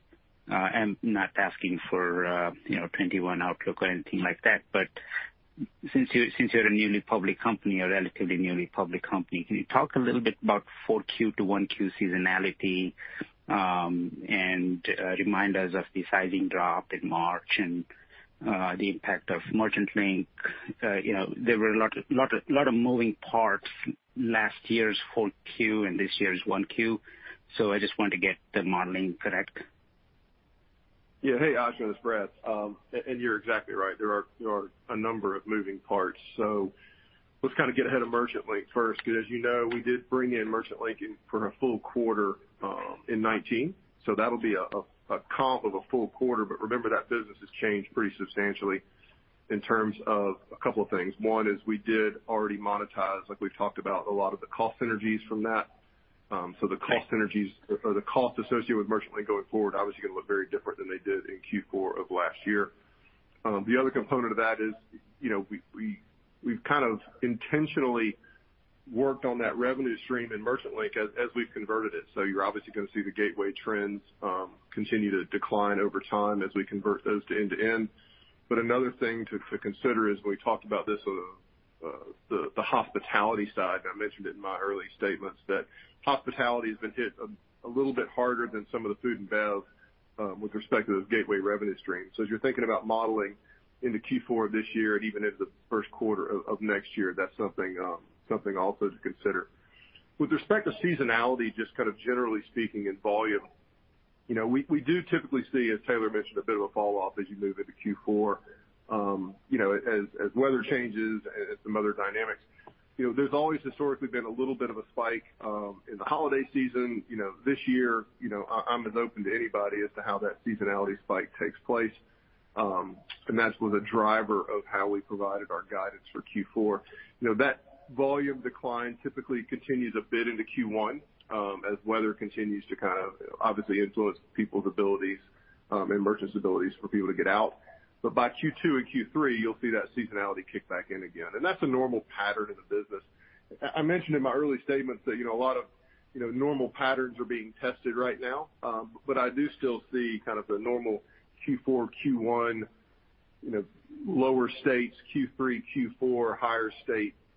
I'm not asking for 2021 outlook or anything like that, but since you're a newly public company, a relatively newly public company, can you talk a little bit about 4Q to 1Q seasonality, and remind us of the sizing drop in March and the impact of Merchant Link? There were a lot of moving parts last year's 4Q and this year's 1Q, so I just want to get the modeling correct. Yeah. Hey, Ashwin, it's Brad. You're exactly right. Let's get ahead of Merchant Link first, because as you know, we did bring in Merchant Link for a full quarter in 2019, so that'll be a comp of a full quarter. Remember that business has changed pretty substantially in terms of two things. One is we did already monetize, like we've talked about, a lot of the cost synergies from that. The cost associated with Merchant Link going forward, obviously going to look very different than they did in Q4 of last year. The other component of that is we've intentionally worked on that revenue stream in Merchant Link as we've converted it. You're obviously going to see the gateway trends continue to decline over time as we convert those to end-to-end. Another thing to consider is, we talked about this on the hospitality side, I mentioned it in my early statements, that hospitality has been hit a little bit harder than some of the food and bev with respect to the gateway revenue stream. As you're thinking about modeling into Q4 of this year and even into the first quarter of next year, that's something also to consider. With respect to seasonality, just generally speaking in volume, we do typically see, as Taylor mentioned, a bit of a fall off as you move into Q4 as weather changes and some other dynamics. There's always historically been a little bit of a spike in the holiday season. This year, I'm as open to anybody as to how that seasonality spike takes place, that was a driver of how we provided our guidance for Q4. That volume decline typically continues a bit into Q1, as weather continues to obviously influence people's abilities and merchants' abilities for people to get out. By Q2 and Q3, you'll see that seasonality kick back in again, and that's a normal pattern in the business. I mentioned in my early statements that a lot of normal patterns are being tested right now. I do still see the normal Q4, Q1, lower states, Q3, Q4, higher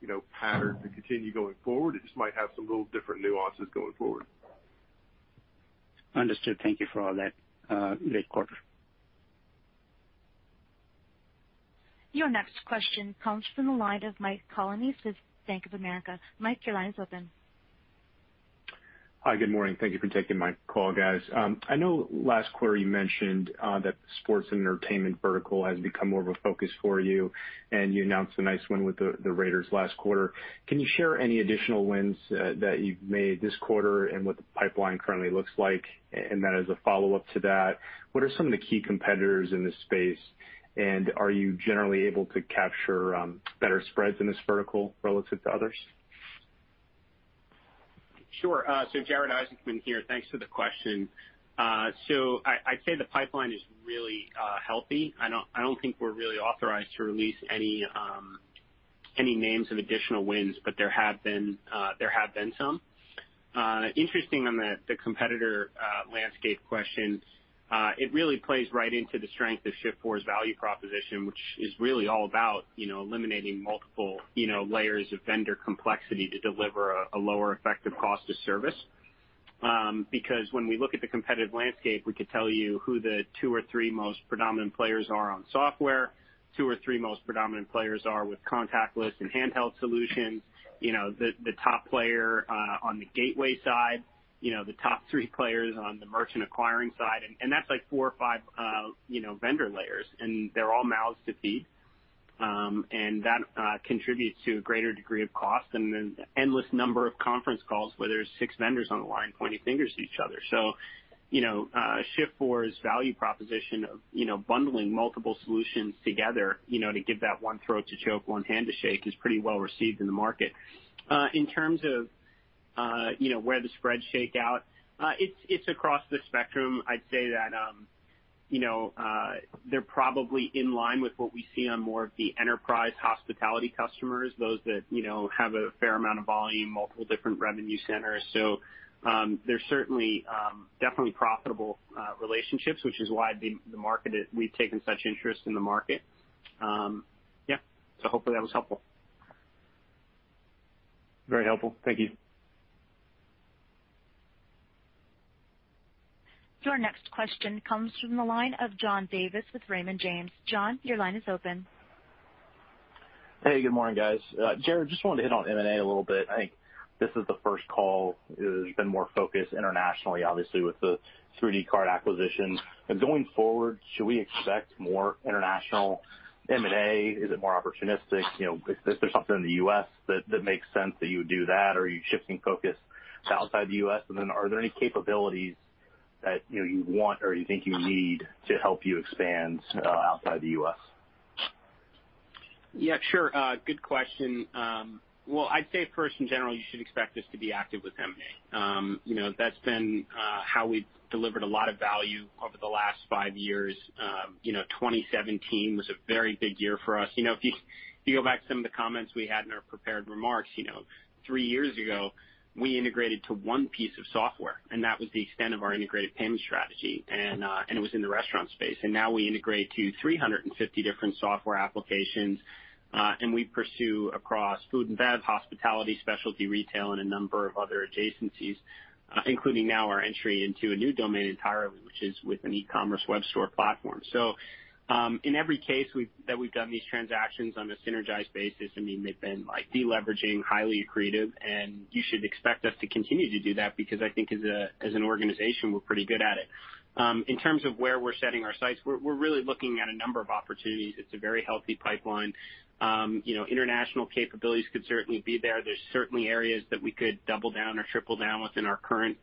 state pattern to continue going forward. It just might have some little different nuances going forward. Understood. Thank you for all that, great quarter. Your next question comes from the line of Mike Colonnese with Bank of America. Mike, your line is open. Hi, good morning. Thank you for taking my call, guys. I know last quarter you mentioned that the sports and entertainment vertical has become more of a focus for you, and you announced a nice win with the Raiders last quarter. Can you share any additional wins that you've made this quarter and what the pipeline currently looks like? As a follow-up to that, what are some of the key competitors in this space, and are you generally able to capture better spreads in this vertical relative to others? Sure. Jared Isaacman here. Thanks for the question. I'd say the pipeline is really healthy. I don't think we're really authorized to release any names of additional wins, but there have been some. Interesting on the competitor landscape question. It really plays right into the strength of Shift4's value proposition, which is really all about eliminating multiple layers of vendor complexity to deliver a lower effective cost of service. When we look at the competitive landscape, we could tell you who the two or three most predominant players are on software, two or three most predominant players are with contactless and handheld solutions, the top player on the gateway side, the top three players on the merchant acquiring side, and that's four or five vendor layers, and they're all mouths to feed. That contributes to a greater degree of cost and an endless number of conference calls where there's six vendors on the line pointing fingers at each other. Shift4's value proposition of bundling multiple solutions together to give that one throat to choke, one hand to shake is pretty well-received in the market. In terms of where the spreads shake out, it's across the spectrum. I'd say that they're probably in line with what we see on more of the enterprise hospitality customers, those that have a fair amount of volume, multiple different revenue centers. They're certainly definitely profitable relationships, which is why we've taken such interest in the market. Yeah. Hopefully that was helpful. Very helpful. Thank you. Your next question comes from the line of John Davis with Raymond James. John, your line is open. Hey, good morning, guys. Jared, just wanted to hit on M&A a little bit. I think this is the first call that has been more focused internationally, obviously, with the 3dcart acquisition. Going forward, should we expect more international M&A? Is it more opportunistic? If there's something in the U.S. that makes sense that you would do that, or are you shifting focus to outside the U.S.? Then are there any capabilities that you want or you think you need to help you expand outside the U.S.? Yeah, sure. Good question. Well, I'd say first in general, you should expect us to be active with M&A. That's been how we've delivered a lot of value over the last five years. 2017 was a very big year for us. If you go back to some of the comments we had in our prepared remarks, three years ago, we integrated to one piece of software, and that was the extent of our integrated payment strategy, and it was in the restaurant space. Now we integrate to 350 different software applications, and we pursue across food and bev, hospitality, specialty retail, and a number of other adjacencies, including now our entry into a new domain entirely, which is with an e-commerce web store platform. In every case that we've done these transactions on a synergized basis, they've been de-leveraging, highly accretive, and you should expect us to continue to do that because I think as an organization, we're pretty good at it. In terms of where we're setting our sights, we're really looking at a number of opportunities. It's a very healthy pipeline. International capabilities could certainly be there. There's certainly areas that we could double down or triple down within our current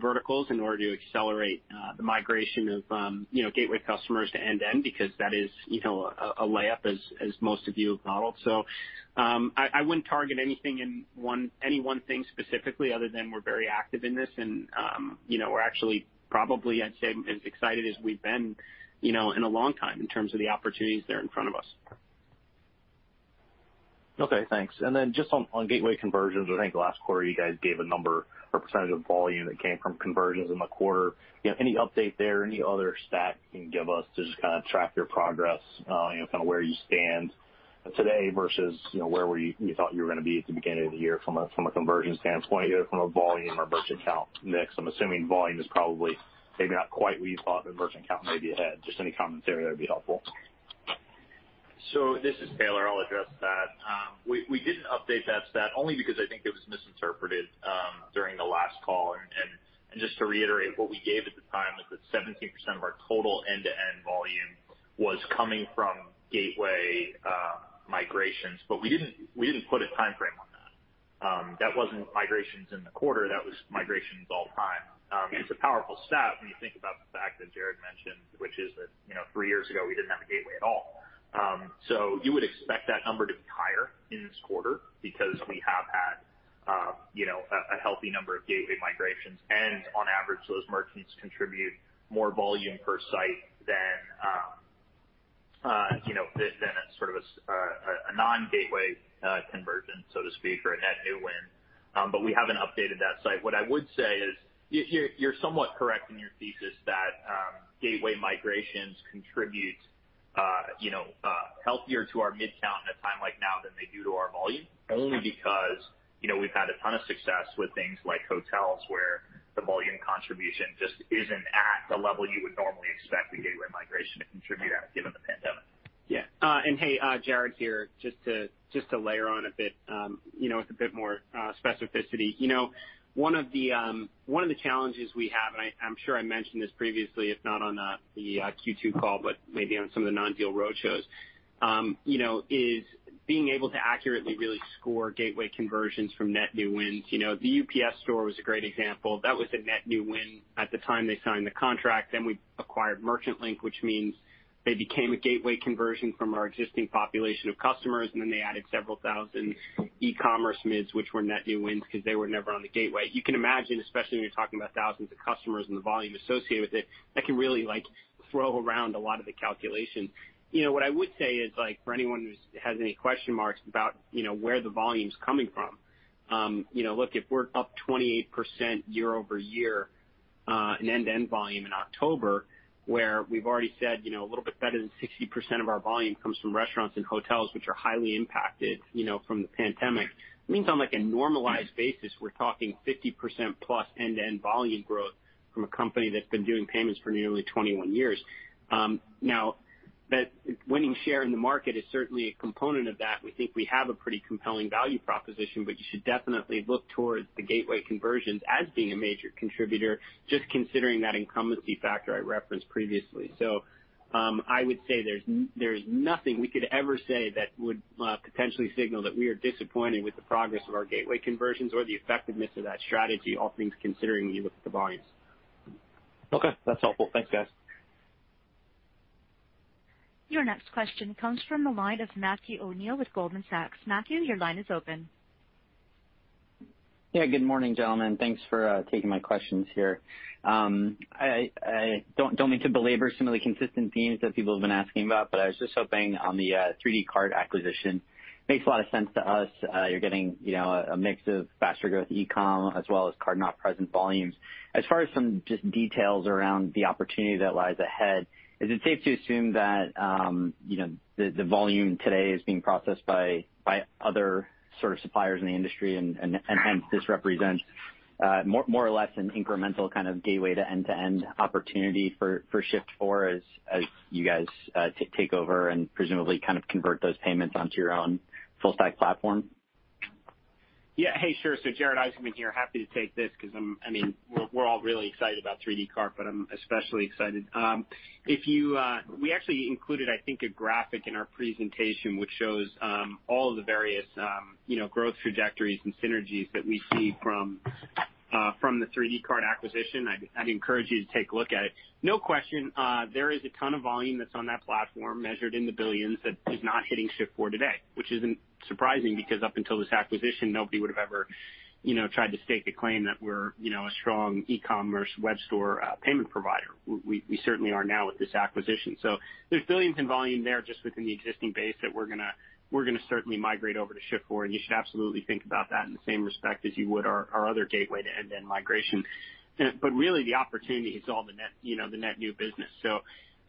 verticals in order to accelerate the migration of gateway customers to end-to-end because that is a layup as most of you have modeled. I wouldn't target any one thing specifically other than we're very active in this and we're actually probably, I'd say, as excited as we've been in a long time in terms of the opportunities that are in front of us. Okay, thanks. Just on gateway conversions, I think last quarter you guys gave a number or percentage of volume that came from conversions in the quarter. Any update there? Any other stat you can give us to just track your progress, kind of where you stand today versus where you thought you were going to be at the beginning of the year from a conversion standpoint, either from a volume or merchant count mix? I'm assuming volume is probably maybe not quite where you thought, but merchant count may be ahead. Just any commentary there would be helpful. This is Taylor. I'll address that. We didn't update that stat only because I think it was misinterpreted during the last call. Just to reiterate what we gave at the time is that 17% of our total end-to-end volume was coming from gateway migrations, but we didn't put a timeframe on that. That wasn't migrations in the quarter, that was migrations all time. It's a powerful stat when you think about the fact that Jared mentioned, which is that three years ago, we didn't have a gateway at all. You would expect that number to be higher in this quarter because we have had a healthy number of gateway migrations, and on average, those merchants contribute more volume per site than a sort of a non-gateway conversion, so to speak, or a net new win. We haven't updated that site. What I would say is you're somewhat correct in your thesis that gateway migrations contribute healthier to our MID count in a time like now than they do to our volume, only because we've had a ton of success with things like hotels where the volume contribution just isn't at the level you would normally expect a gateway migration to contribute at given the pandemic. Yeah. Hey, Jared here just to layer on a bit with a bit more specificity. One of the challenges we have, I am sure I mentioned this previously, if not on the Q2 call, but maybe on some of the non-deal roadshows is being able to accurately really score gateway conversions from net new wins. The UPS Store was a great example. That was a net new win at the time they signed the contract. We acquired Merchant Link, which means they became a gateway conversion from our existing population of customers, they added several thousand e-commerce MIDs, which were net new wins because they were never on the gateway. You can imagine, especially when you are talking about thousands of customers and the volume associated with it, that can really throw around a lot of the calculation. What I would say is for anyone who has any question marks about where the volume's coming from, look, if we're up 28% year-over-year end-to-end volume in October, where we've already said a little bit better than 60% of our volume comes from restaurants and hotels, which are highly impacted from the pandemic. It means on a normalized basis, we're talking 50%+ end-to-end volume growth from a company that's been doing payments for nearly 21 years. That winning share in the market is certainly a component of that. We think we have a pretty compelling value proposition, but you should definitely look towards the gateway conversions as being a major contributor, just considering that incumbency factor I referenced previously. I would say there's nothing we could ever say that would potentially signal that we are disappointed with the progress of our gateway conversions or the effectiveness of that strategy, all things considering, when you look at the volumes. Okay. That's helpful. Thanks, guys. Your next question comes from the line of Matthew O'Neill with Goldman Sachs. Matthew, your line is open. Yeah, good morning, gentlemen. Thanks for taking my questions here. I don't mean to belabor some of the consistent themes that people have been asking about, but I was just hoping on the 3dcart acquisition. Makes a lot of sense to us. You're getting a mix of faster growth e-com as well as card-not-present volumes. As far as some just details around the opportunity that lies ahead, is it safe to assume that the volume today is being processed by other suppliers in the industry and hence this represents more or less an incremental kind of gateway to end-to-end opportunity for Shift4 as you guys take over and presumably convert those payments onto your own full stack platform? Yeah. Hey, sure. Jared Isaacman here, happy to take this because we're all really excited about 3dcart, but I'm especially excited. We actually included, I think, a graphic in our presentation, which shows all of the various growth trajectories and synergies that we see from the 3dcart acquisition. I'd encourage you to take a look at it. No question, there is a ton of volume that's on that platform measured in the billions that is not hitting Shift4 today, which isn't surprising because up until this acquisition, nobody would have ever tried to stake a claim that we're a strong e-commerce web store payment provider. We certainly are now with this acquisition. There's $ billions in volume there just within the existing base that we're going to certainly migrate over to Shift4, and you should absolutely think about that in the same respect as you would our other gateway to end-to-end migration. Really the opportunity is all the net new business.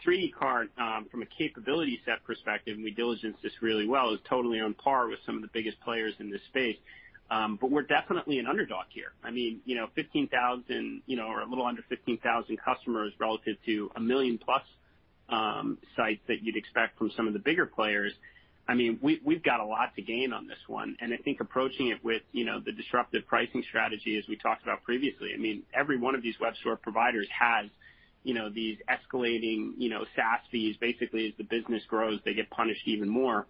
3dcart, from a capability set perspective, and we diligenced this really well, is totally on par with some of the biggest players in this space. We're definitely an underdog here. A little under 15,000 customers relative to 1+ million sites that you'd expect from some of the bigger players. We've got a lot to gain on this one, and I think approaching it with the disruptive pricing strategy as we talked about previously. Every one of these web store providers has these escalating SaaS fees. Basically, as the business grows, they get punished even more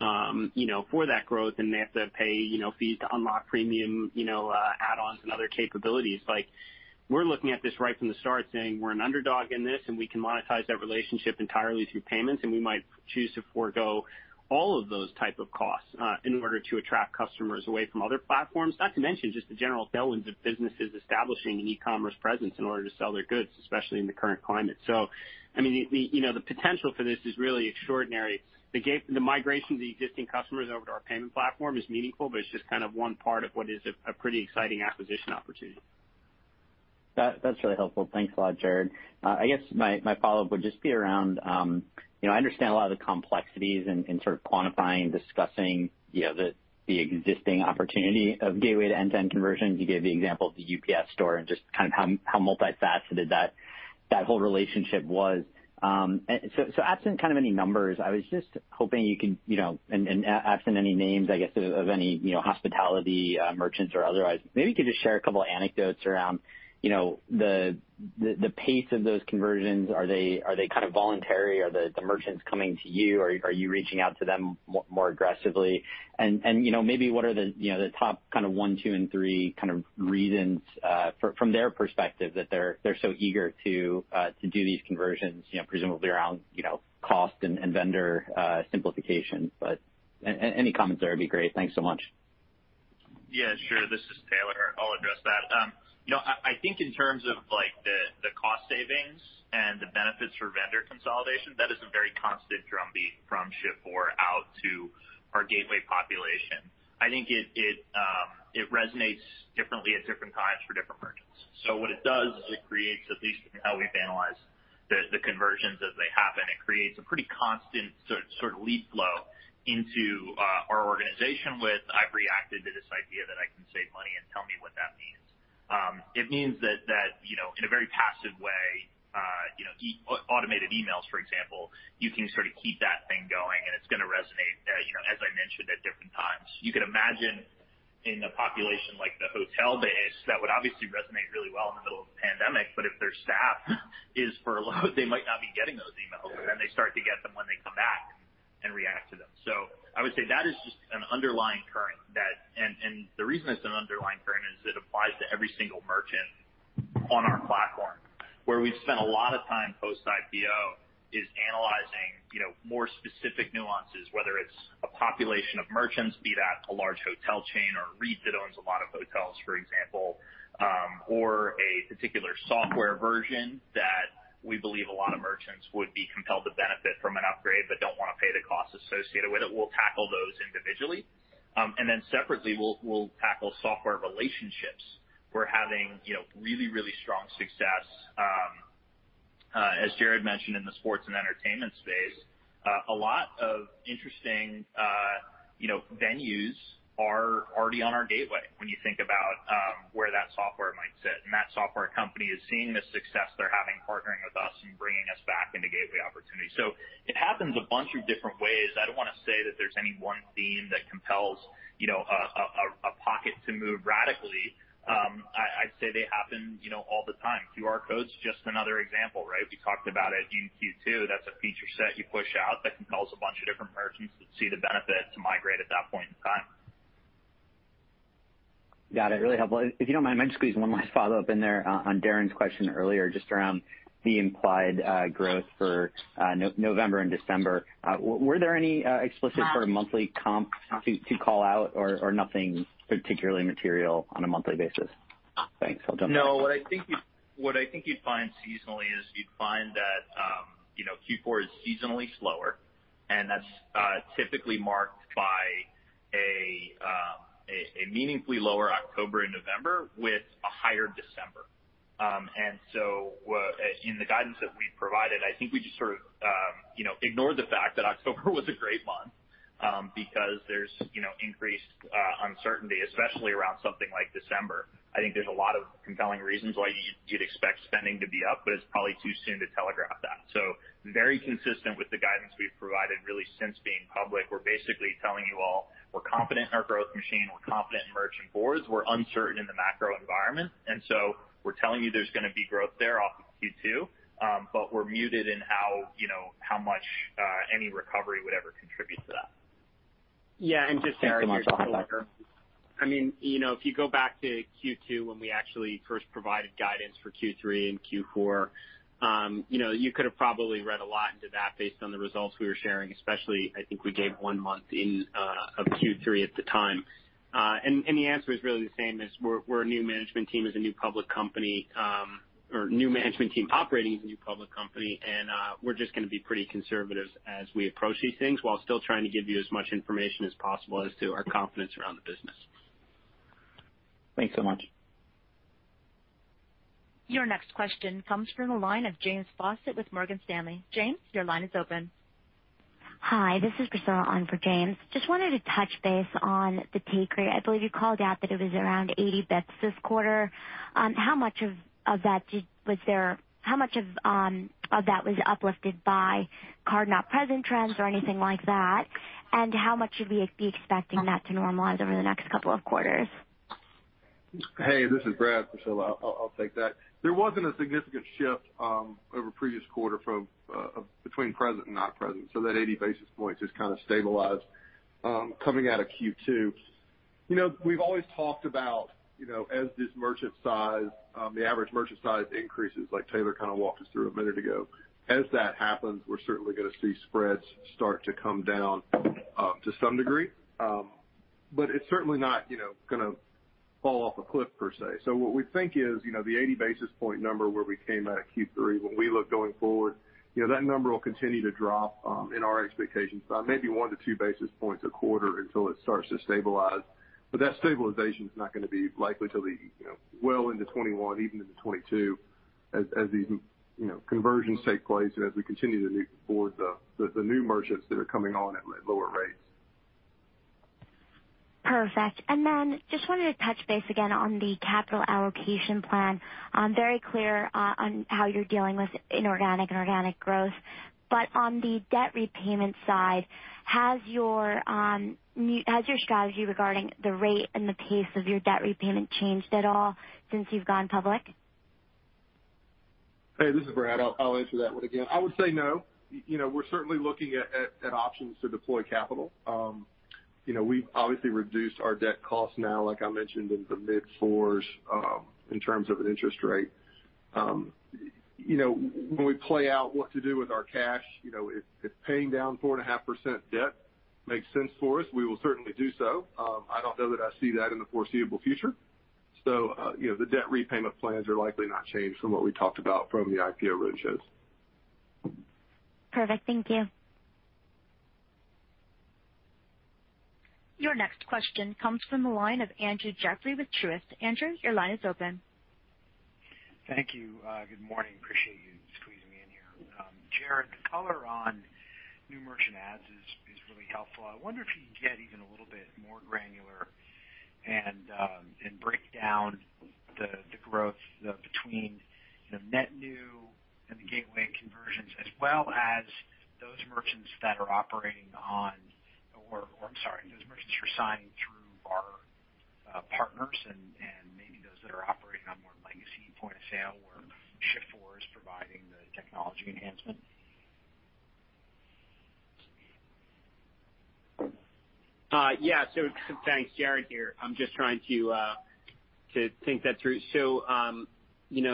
for that growth, and they have to pay fees to unlock premium add-ons and other capabilities. We're looking at this right from the start saying we're an underdog in this and we can monetize that relationship entirely through payments, and we might choose to forego all of those type of costs in order to attract customers away from other platforms. Not to mention just the general billions of businesses establishing an e-commerce presence in order to sell their goods, especially in the current climate. The potential for this is really extraordinary. The migration of the existing customers over to our payment platform is meaningful, but it's just one part of what is a pretty exciting acquisition opportunity. That's really helpful. Thanks a lot, Jared. I guess my follow-up would just be around, I understand a lot of the complexities in sort of quantifying, discussing the existing opportunity of gateway-only to end-to-end conversions. You gave the example of The UPS Store and just how multifaceted that whole relationship was. Absent any numbers, I was just hoping you can, and absent any names of any hospitality merchants or otherwise, maybe you could just share a couple anecdotes around the pace of those conversions. Are they voluntary? Are the merchants coming to you? Are you reaching out to them more aggressively? Maybe what are the top one, two, and three reasons from their perspective that they're so eager to do these conversions, presumably around cost and vendor simplification. Any comments there would be great. Thanks so much. Yeah, sure. This is Taylor. I'll address that. I think in terms of the cost savings and the benefits for vendor consolidation, that is a very constant drumbeat from Shift4 out to our gateway population. I think it resonates differently at different times for different merchants. What it does is it creates, at least from how we've analyzed the conversions as they happen, it creates a pretty constant sort of lead flow into our organization with, "I've reacted to this idea that I can save money and tell me what that means." It means that in a very passive way, automated emails, for example, you can sort of keep that thing going, and it's going to resonate, as I mentioned, at different times. You could imagine in a population like the hotel base, that would obviously resonate really well in the middle of the pandemic, but if their staff is furloughed, they might not be getting those emails, and they start to get them when they come back and react to them. I would say that is just an underlying current. The reason it's an underlying current is it applies to every single merchant on our platform. Where we've spent a lot of time post-IPO is analyzing more specific nuances, whether it's a population of merchants, be that a large hotel chain or a REIT that owns a lot of hotels, for example, or a particular software version that we believe a lot of merchants would be compelled to benefit from an upgrade, but don't want to pay the costs associated with it. We'll tackle those individually. Separately, we'll tackle software relationships. We're having really strong success, as Jared mentioned, in the sports and entertainment space. A lot of interesting venues are already on our gateway when you think about where that software might sit. That software company is seeing the success they're having partnering with us and bringing us back into gateway opportunities. It happens a bunch of different ways. I don't want to say that there's any one theme that compels a pocket to move radically. I'd say they happen all the time. QR code's just another example, right? We talked about it in Q2. That's a feature set you push out that compels a bunch of different merchants that see the benefit to migrate at that point in time. Got it. Really helpful. If you don't mind, may I just squeeze one last follow-up in there on Darrin's question earlier, just around the implied growth for November and December. Were there any explicit sort of monthly comps to call out, or nothing particularly material on a monthly basis? Thanks. I'll jump back. No. What I think you'd find seasonally is you'd find that Q4 is seasonally slower, and that's typically marked by a meaningfully lower October and November with a higher December. In the guidance that we provided, I think we just sort of ignored the fact that October was a great month because there's increased uncertainty, especially around something like December. I think there's a lot of compelling reasons why you'd expect spending to be up, but it's probably too soon to telegraph that. Very consistent with the guidance we've provided really since being public. We're basically telling you all we're confident in our growth machine, we're confident in merchant boards. We're uncertain in the macro environment, we're telling you there's going to be growth there off of Q2. We're muted in how much any recovery would ever contribute to that. Yeah. [inaudible] I mean, if you go back to Q2 when we actually first provided guidance for Q3 and Q4, you could've probably read a lot into that based on the results we were sharing, especially, I think we gave one month in of Q3 at the time. The answer is really the same, is we're a new management team as a new public company, or new management team operating as a new public company. We're just going to be pretty conservative as we approach these things while still trying to give you as much information as possible as to our confidence around the business. Thanks so much. Your next question comes from the line of James Faucette with Morgan Stanley. James, your line is open. Hi. This is Priscilla on for James. Just wanted to touch base on the take rate. I believe you called out that it was around 80 basis points this quarter. How much of that was uplifted by card-not-present trends or anything like that? How much should we be expecting that to normalize over the next couple of quarters? Hey, this is Brad. Priscilla, I'll take that. There wasn't a significant shift over previous quarter between present and not present. That 80 basis points is kind of stabilized coming out of Q2. We've always talked about as this merchant size, the average merchant size increases, like Taylor kind of walked us through a minute ago. As that happens, we're certainly going to see spreads start to come down to some degree. It's certainly not going to fall off a cliff per se. What we think is, the 80 basis point number where we came out of Q3, when we look going forward, that number will continue to drop in our expectations by maybe 1-2 basis points a quarter until it starts to stabilize. That stabilization's not going to be likely till well into 2021, even into 2022, as these conversions take place and as we continue to move forward the new merchants that are coming on at lower rates. Perfect. Just wanted to touch base again on the capital allocation plan. Very clear on how you're dealing with inorganic and organic growth. On the debt repayment side, has your strategy regarding the rate and the pace of your debt repayment changed at all since you've gone public? Hey, this is Brad. I'll answer that one again. I would say no. We're certainly looking at options to deploy capital. We've obviously reduced our debt cost now, like I mentioned, in the mid-fours in terms of an interest rate. When we play out what to do with our cash, if paying down 4.5% debt makes sense for us, we will certainly do so. I don't know that I see that in the foreseeable future. The debt repayment plans are likely not changed from what we talked about from the IPO roadshows. Perfect. Thank you. Your next question comes from the line of Andrew Jeffrey with Truist. Andrew, your line is open. Thank you. Good morning. Appreciate you squeezing me in here. Jared, the color on new merchant adds is really helpful. I wonder if you can get even a little bit more granular and break down the growth between net new and the gateway conversions as well as those merchants that are operating on, I'm sorry, those merchants who are signing through our partners and maybe those that are operating on more legacy point of sale where Shift4 is providing the technology enhancement. Thanks. Jared here. I'm just trying to think that through.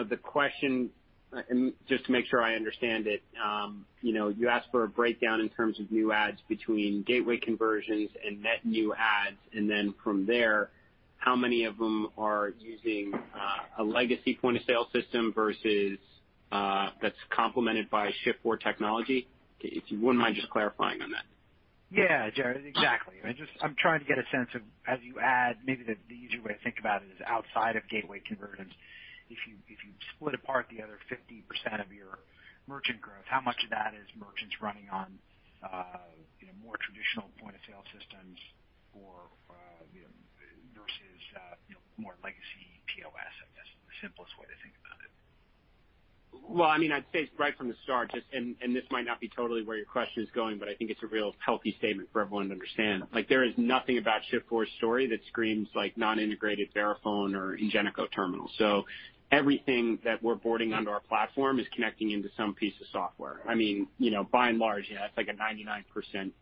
The question, and just to make sure I understand it, you asked for a breakdown in terms of new adds between gateway conversions and net new adds. How many of them are using a legacy point-of-sale system versus that's complemented by Shift4 technology? If you wouldn't mind just clarifying on that. Jared, exactly. I'm trying to get a sense of as you add, maybe the easier way to think about it is outside of gateway conversions, if you split apart the other 50% of your merchant growth, how much of that is merchants running on more traditional point-of-sale systems versus more legacy POS, I guess, is the simplest way to think about it? I'd say right from the start, this might not be totally where your question is going, but I think it's a real healthy statement for everyone to understand. There is nothing about Shift4's story that screams non-integrated Verifone or Ingenico terminals. Everything that we're boarding onto our platform is connecting into some piece of software. By and large, that's like a 99%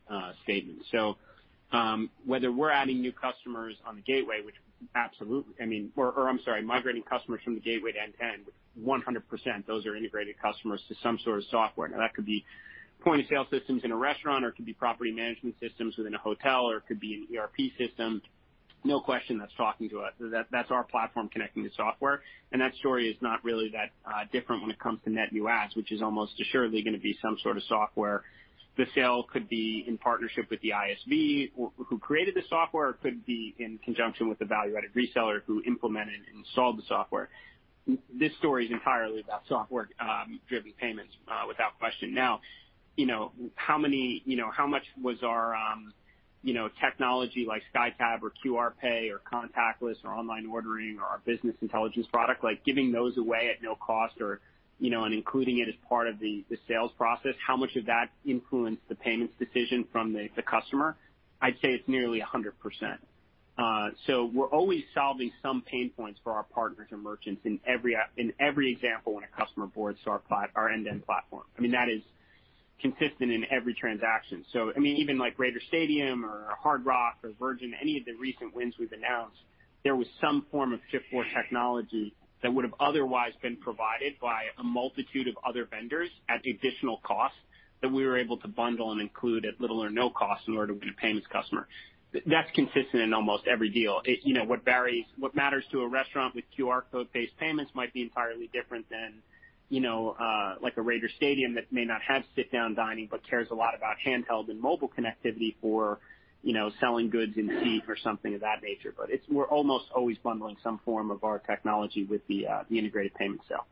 statement. Whether we're adding new customers on the gateway, which absolutely, or I'm sorry, migrating customers from the gateway to end-to-end, 100%, those are integrated customers to some sort of software. Now, that could be point-of-sale systems in a restaurant, or it could be property management systems within a hotel, or it could be an ERP system. No question that's talking to us. That's our platform connecting to software. That story is not really that different when it comes to net new asks, which is almost assuredly going to be some sort of software. The sale could be in partnership with the ISV who created the software, or it could be in conjunction with the value-added reseller who implemented and installed the software. This story is entirely about software-driven payments, without question. Now, how much was our technology like SkyTab or QR Pay or contactless or online ordering or our business intelligence product, like giving those away at no cost and including it as part of the sales process, how much of that influenced the payments decision from the customer? I'd say it's nearly 100%. We're always solving some pain points for our partners and merchants in every example when a customer boards to our end-to-end platform. That is consistent in every transaction. Even like Raiders Stadium or Hard Rock or Virgin, any of the recent wins we've announced, there was some form of Shift4 technology that would have otherwise been provided by a multitude of other vendors at additional cost that we were able to bundle and include at little or no cost in order to win a payments customer. That's consistent in almost every deal. What matters to a restaurant with QR code-based payments might be entirely different than a Raiders Stadium that may not have sit-down dining but cares a lot about handheld and mobile connectivity for selling goods in seat or something of that nature. We're almost always bundling some form of our technology with the integrated payment sale.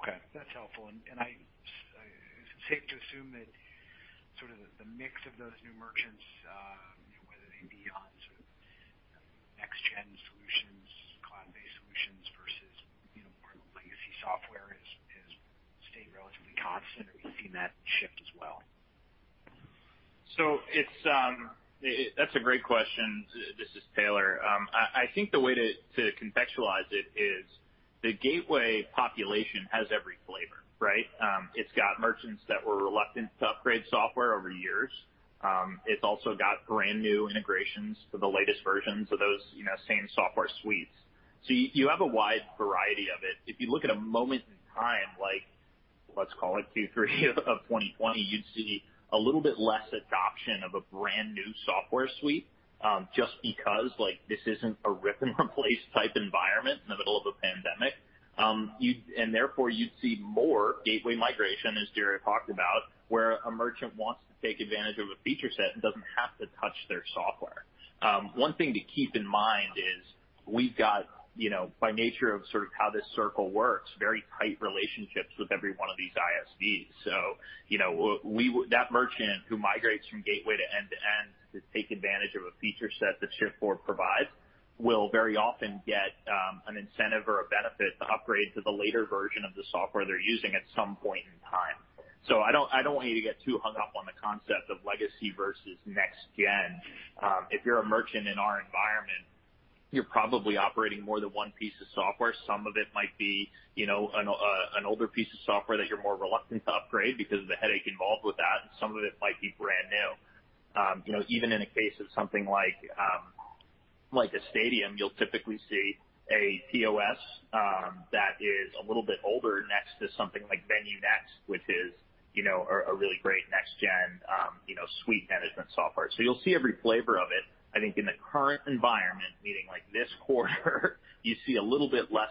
Okay. That's helpful. Is it safe to assume that the mix of those new merchants, whether they be on next-gen solutions, cloud-based solutions versus more legacy software, is staying relatively constant, or are you seeing that shift as well? That's a great question. This is Taylor. I think the way to contextualize it is the gateway population has every flavor, right? It's got merchants that were reluctant to upgrade software over years. It's also got brand-new integrations for the latest versions of those same software suites. You have a wide variety of it. If you look at a moment in time, like let's call it Q3 of 2020, you'd see a little bit less adoption of a brand-new software suite just because this isn't a rip-and-replace type environment in the middle of a pandemic. Therefore, you'd see more gateway migration, as Jared talked about, where a merchant wants to take advantage of a feature set and doesn't have to touch their software. One thing to keep in mind is we've got, by nature of how this circle works, very tight relationships with every one of these ISVs. That merchant who migrates from gateway to end-to-end to take advantage of a feature set that Shift4 provides will very often get an incentive or a benefit to upgrade to the later version of the software they're using at some point in time. I don't want you to get too hung up on the concept of legacy versus next-gen. If you're a merchant in our environment, you're probably operating more than one piece of software. Some of it might be an older piece of software that you're more reluctant to upgrade because of the headache involved with that, and some of it might be brand new. Even in a case of something like a stadium, you'll typically see a POS that is a little bit older next to something like VenueNext, which is a really great next-gen suite management software. You'll see every flavor of it. I think in the current environment, meaning like this quarter you see a little bit less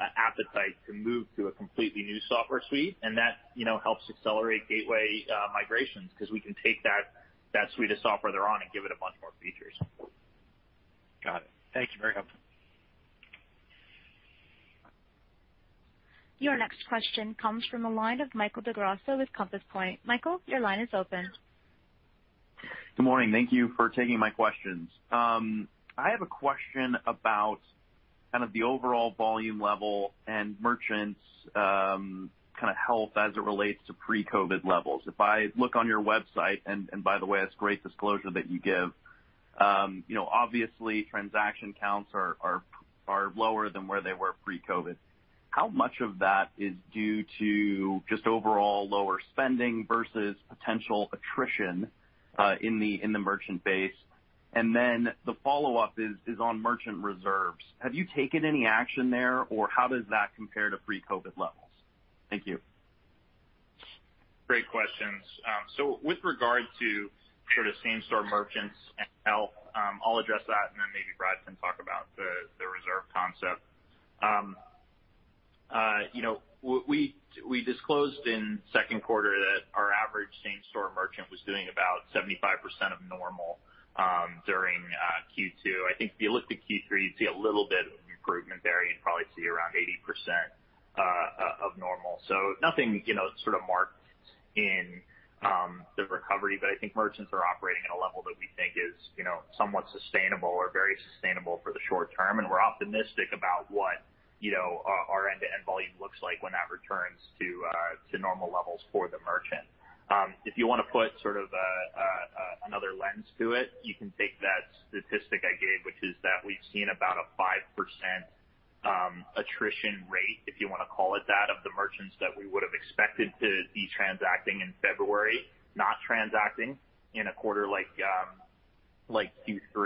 appetite to move to a completely new software suite, and that helps accelerate gateway migrations because we can take that suite of software they're on and give it a bunch more features. Got it. Thank you very much. Your next question comes from the line of Michael Del Grosso with Compass Point. Michael, your line is open. Good morning. Thank you for taking my questions. I have a question about the overall volume level and merchants' health as it relates to pre-COVID levels. If I look on your website, and by the way, that's great disclosure that you give, obviously transaction counts are lower than where they were pre-COVID. How much of that is due to just overall lower spending versus potential attrition in the merchant base? The follow-up is on merchant reserves. Have you taken any action there, or how does that compare to pre-COVID levels? Thank you. Great questions. With regard to same store merchants and health, I'll address that, and then maybe Brad can talk about the reserve concept. We disclosed in second quarter that our average same-store merchant was doing about 75% of normal during Q2. I think if you looked at Q3, you'd see a little bit of an improvement there. You'd probably see around 80% of normal. Nothing sort of marked in the recovery. I think merchants are operating at a level that we think is somewhat sustainable or very sustainable for the short-term, and we're optimistic about what our end-to-end volume looks like when that returns to normal levels for the merchant. If you want to put sort of another lens to it, you can take that statistic I gave, which is that we've seen about a 5% attrition rate, if you want to call it that, of the merchants that we would've expected to be transacting in February, not transacting in a quarter like Q3.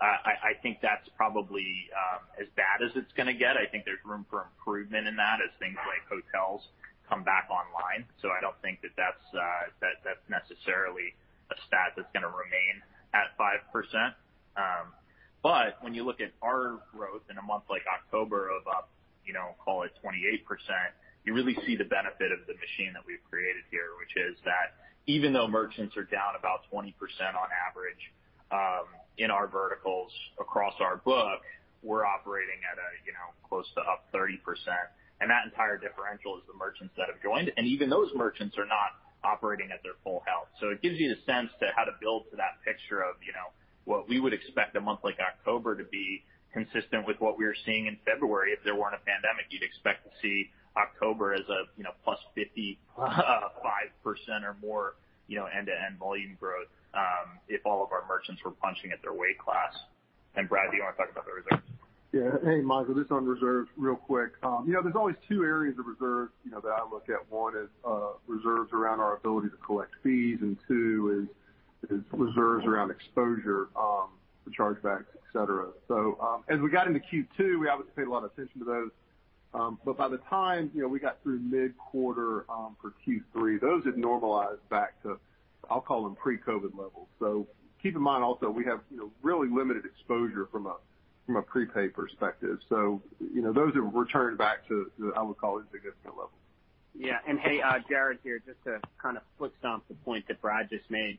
I think that's probably as bad as it's going to get. I think there's room for improvement in that as things like hotels come back online. I don't think that that's necessarily a stat that's going to remain at 5%. When you look at our growth in a month like October of up, call it 28%, you really see the benefit of the machine that we've created here, which is that even though merchants are down about 20% on average in our verticals across our book, we're operating at a close to up 30%. That entire differential is the merchants that have joined, and even those merchants are not operating at their full health. It gives you the sense to how to build to that picture of what we would expect a month like October to be consistent with what we were seeing in February. If there weren't a pandemic, you'd expect to see October as a +55% or more end-to-end volume growth if all of our merchants were punching at their weight class. Brad, do you want to talk about the reserves? Yeah. Hey, Michael. Just on reserves real quick. There's always two areas of reserves that I look at. One is reserves around our ability to collect fees, and two is reserves around exposure, the chargebacks, et cetera. As we got into Q2, we obviously paid a lot of attention to those. By the time we got through mid-quarter for Q3, those had normalized back to, I'll call them pre-COVID levels. Keep in mind also we have really limited exposure from a prepaid perspective. Those have returned back to, I would call it, significant levels. Yeah. Hey, Jared here, just to kind of foot stomp the point that Brad just made.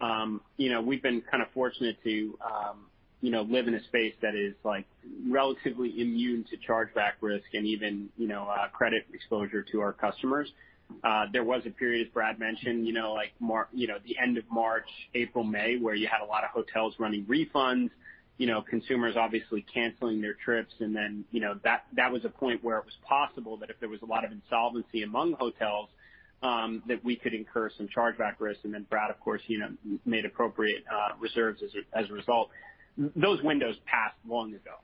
We've been kind of fortunate to live in a space that is relatively immune to chargeback risk and even credit exposure to our customers. There was a period, as Brad mentioned, the end of March, April, May, where you had a lot of hotels running refunds. Consumers obviously canceling their trips. That was a point where it was possible that if there was a lot of insolvency among hotels that we could incur some chargeback risk. Brad, of course, made appropriate reserves as a result. Those windows passed long ago.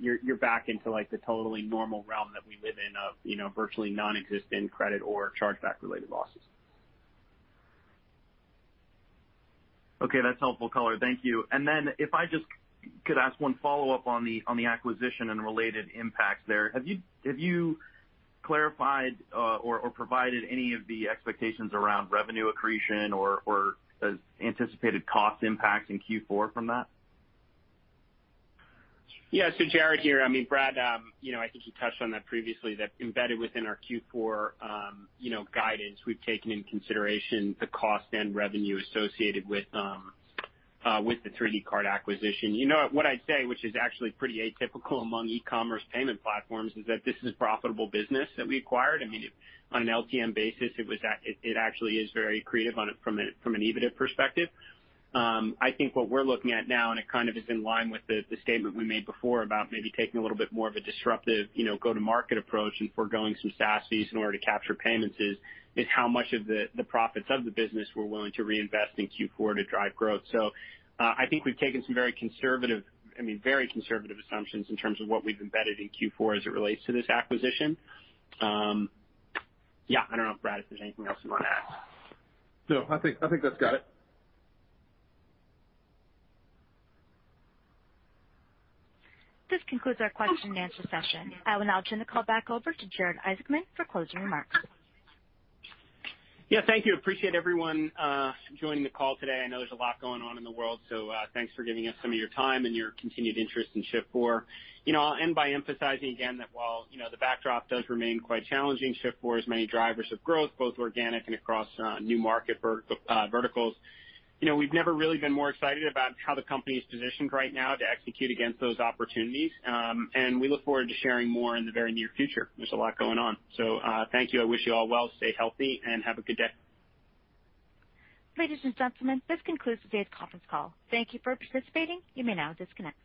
You're back into the totally normal realm that we live in of virtually nonexistent credit or chargeback-related losses. Okay. That's helpful color. Thank you. If I just could ask one follow-up on the acquisition and related impacts there. Have you clarified or provided any of the expectations around revenue accretion or anticipated cost impacts in Q4 from that? Jared here. Brad, I think he touched on that previously, that embedded within our Q4 guidance, we've taken into consideration the cost and revenue associated with the 3dcart acquisition. What I'd say, which is actually pretty atypical among e-commerce payment platforms, is that this is profitable business that we acquired. On an LTM basis, it actually is very accretive from an EBITDA perspective. I think what we're looking at now, and it kind of is in line with the statement we made before about maybe taking a little bit more of a disruptive go-to-market approach and forgoing some SaaS fees in order to capture payments is how much of the profits of the business we're willing to reinvest in Q4 to drive growth. I think we've taken some very conservative assumptions in terms of what we've embedded in Q4 as it relates to this acquisition. Yeah, I don't know, Brad, if there's anything else you want to add. No, I think that's got it. This concludes our question-and-answer session. I will now turn the call back over to Jared Isaacman for closing remarks. Yeah, thank you. I appreciate everyone joining the call today. I know there's a lot going on in the world, so thanks for giving us some of your time and your continued interest in Shift4. I'll end by emphasizing again that while the backdrop does remain quite challenging, Shift4 has many drivers of growth, both organic and across new market verticals. We've never really been more excited about how the company's positioned right now to execute against those opportunities. We look forward to sharing more in the very near future. There's a lot going on. Thank you. I wish you all well. Stay healthy and have a good day. Ladies and gentlemen, this concludes today's conference call. Thank you for participating. You may now disconnect.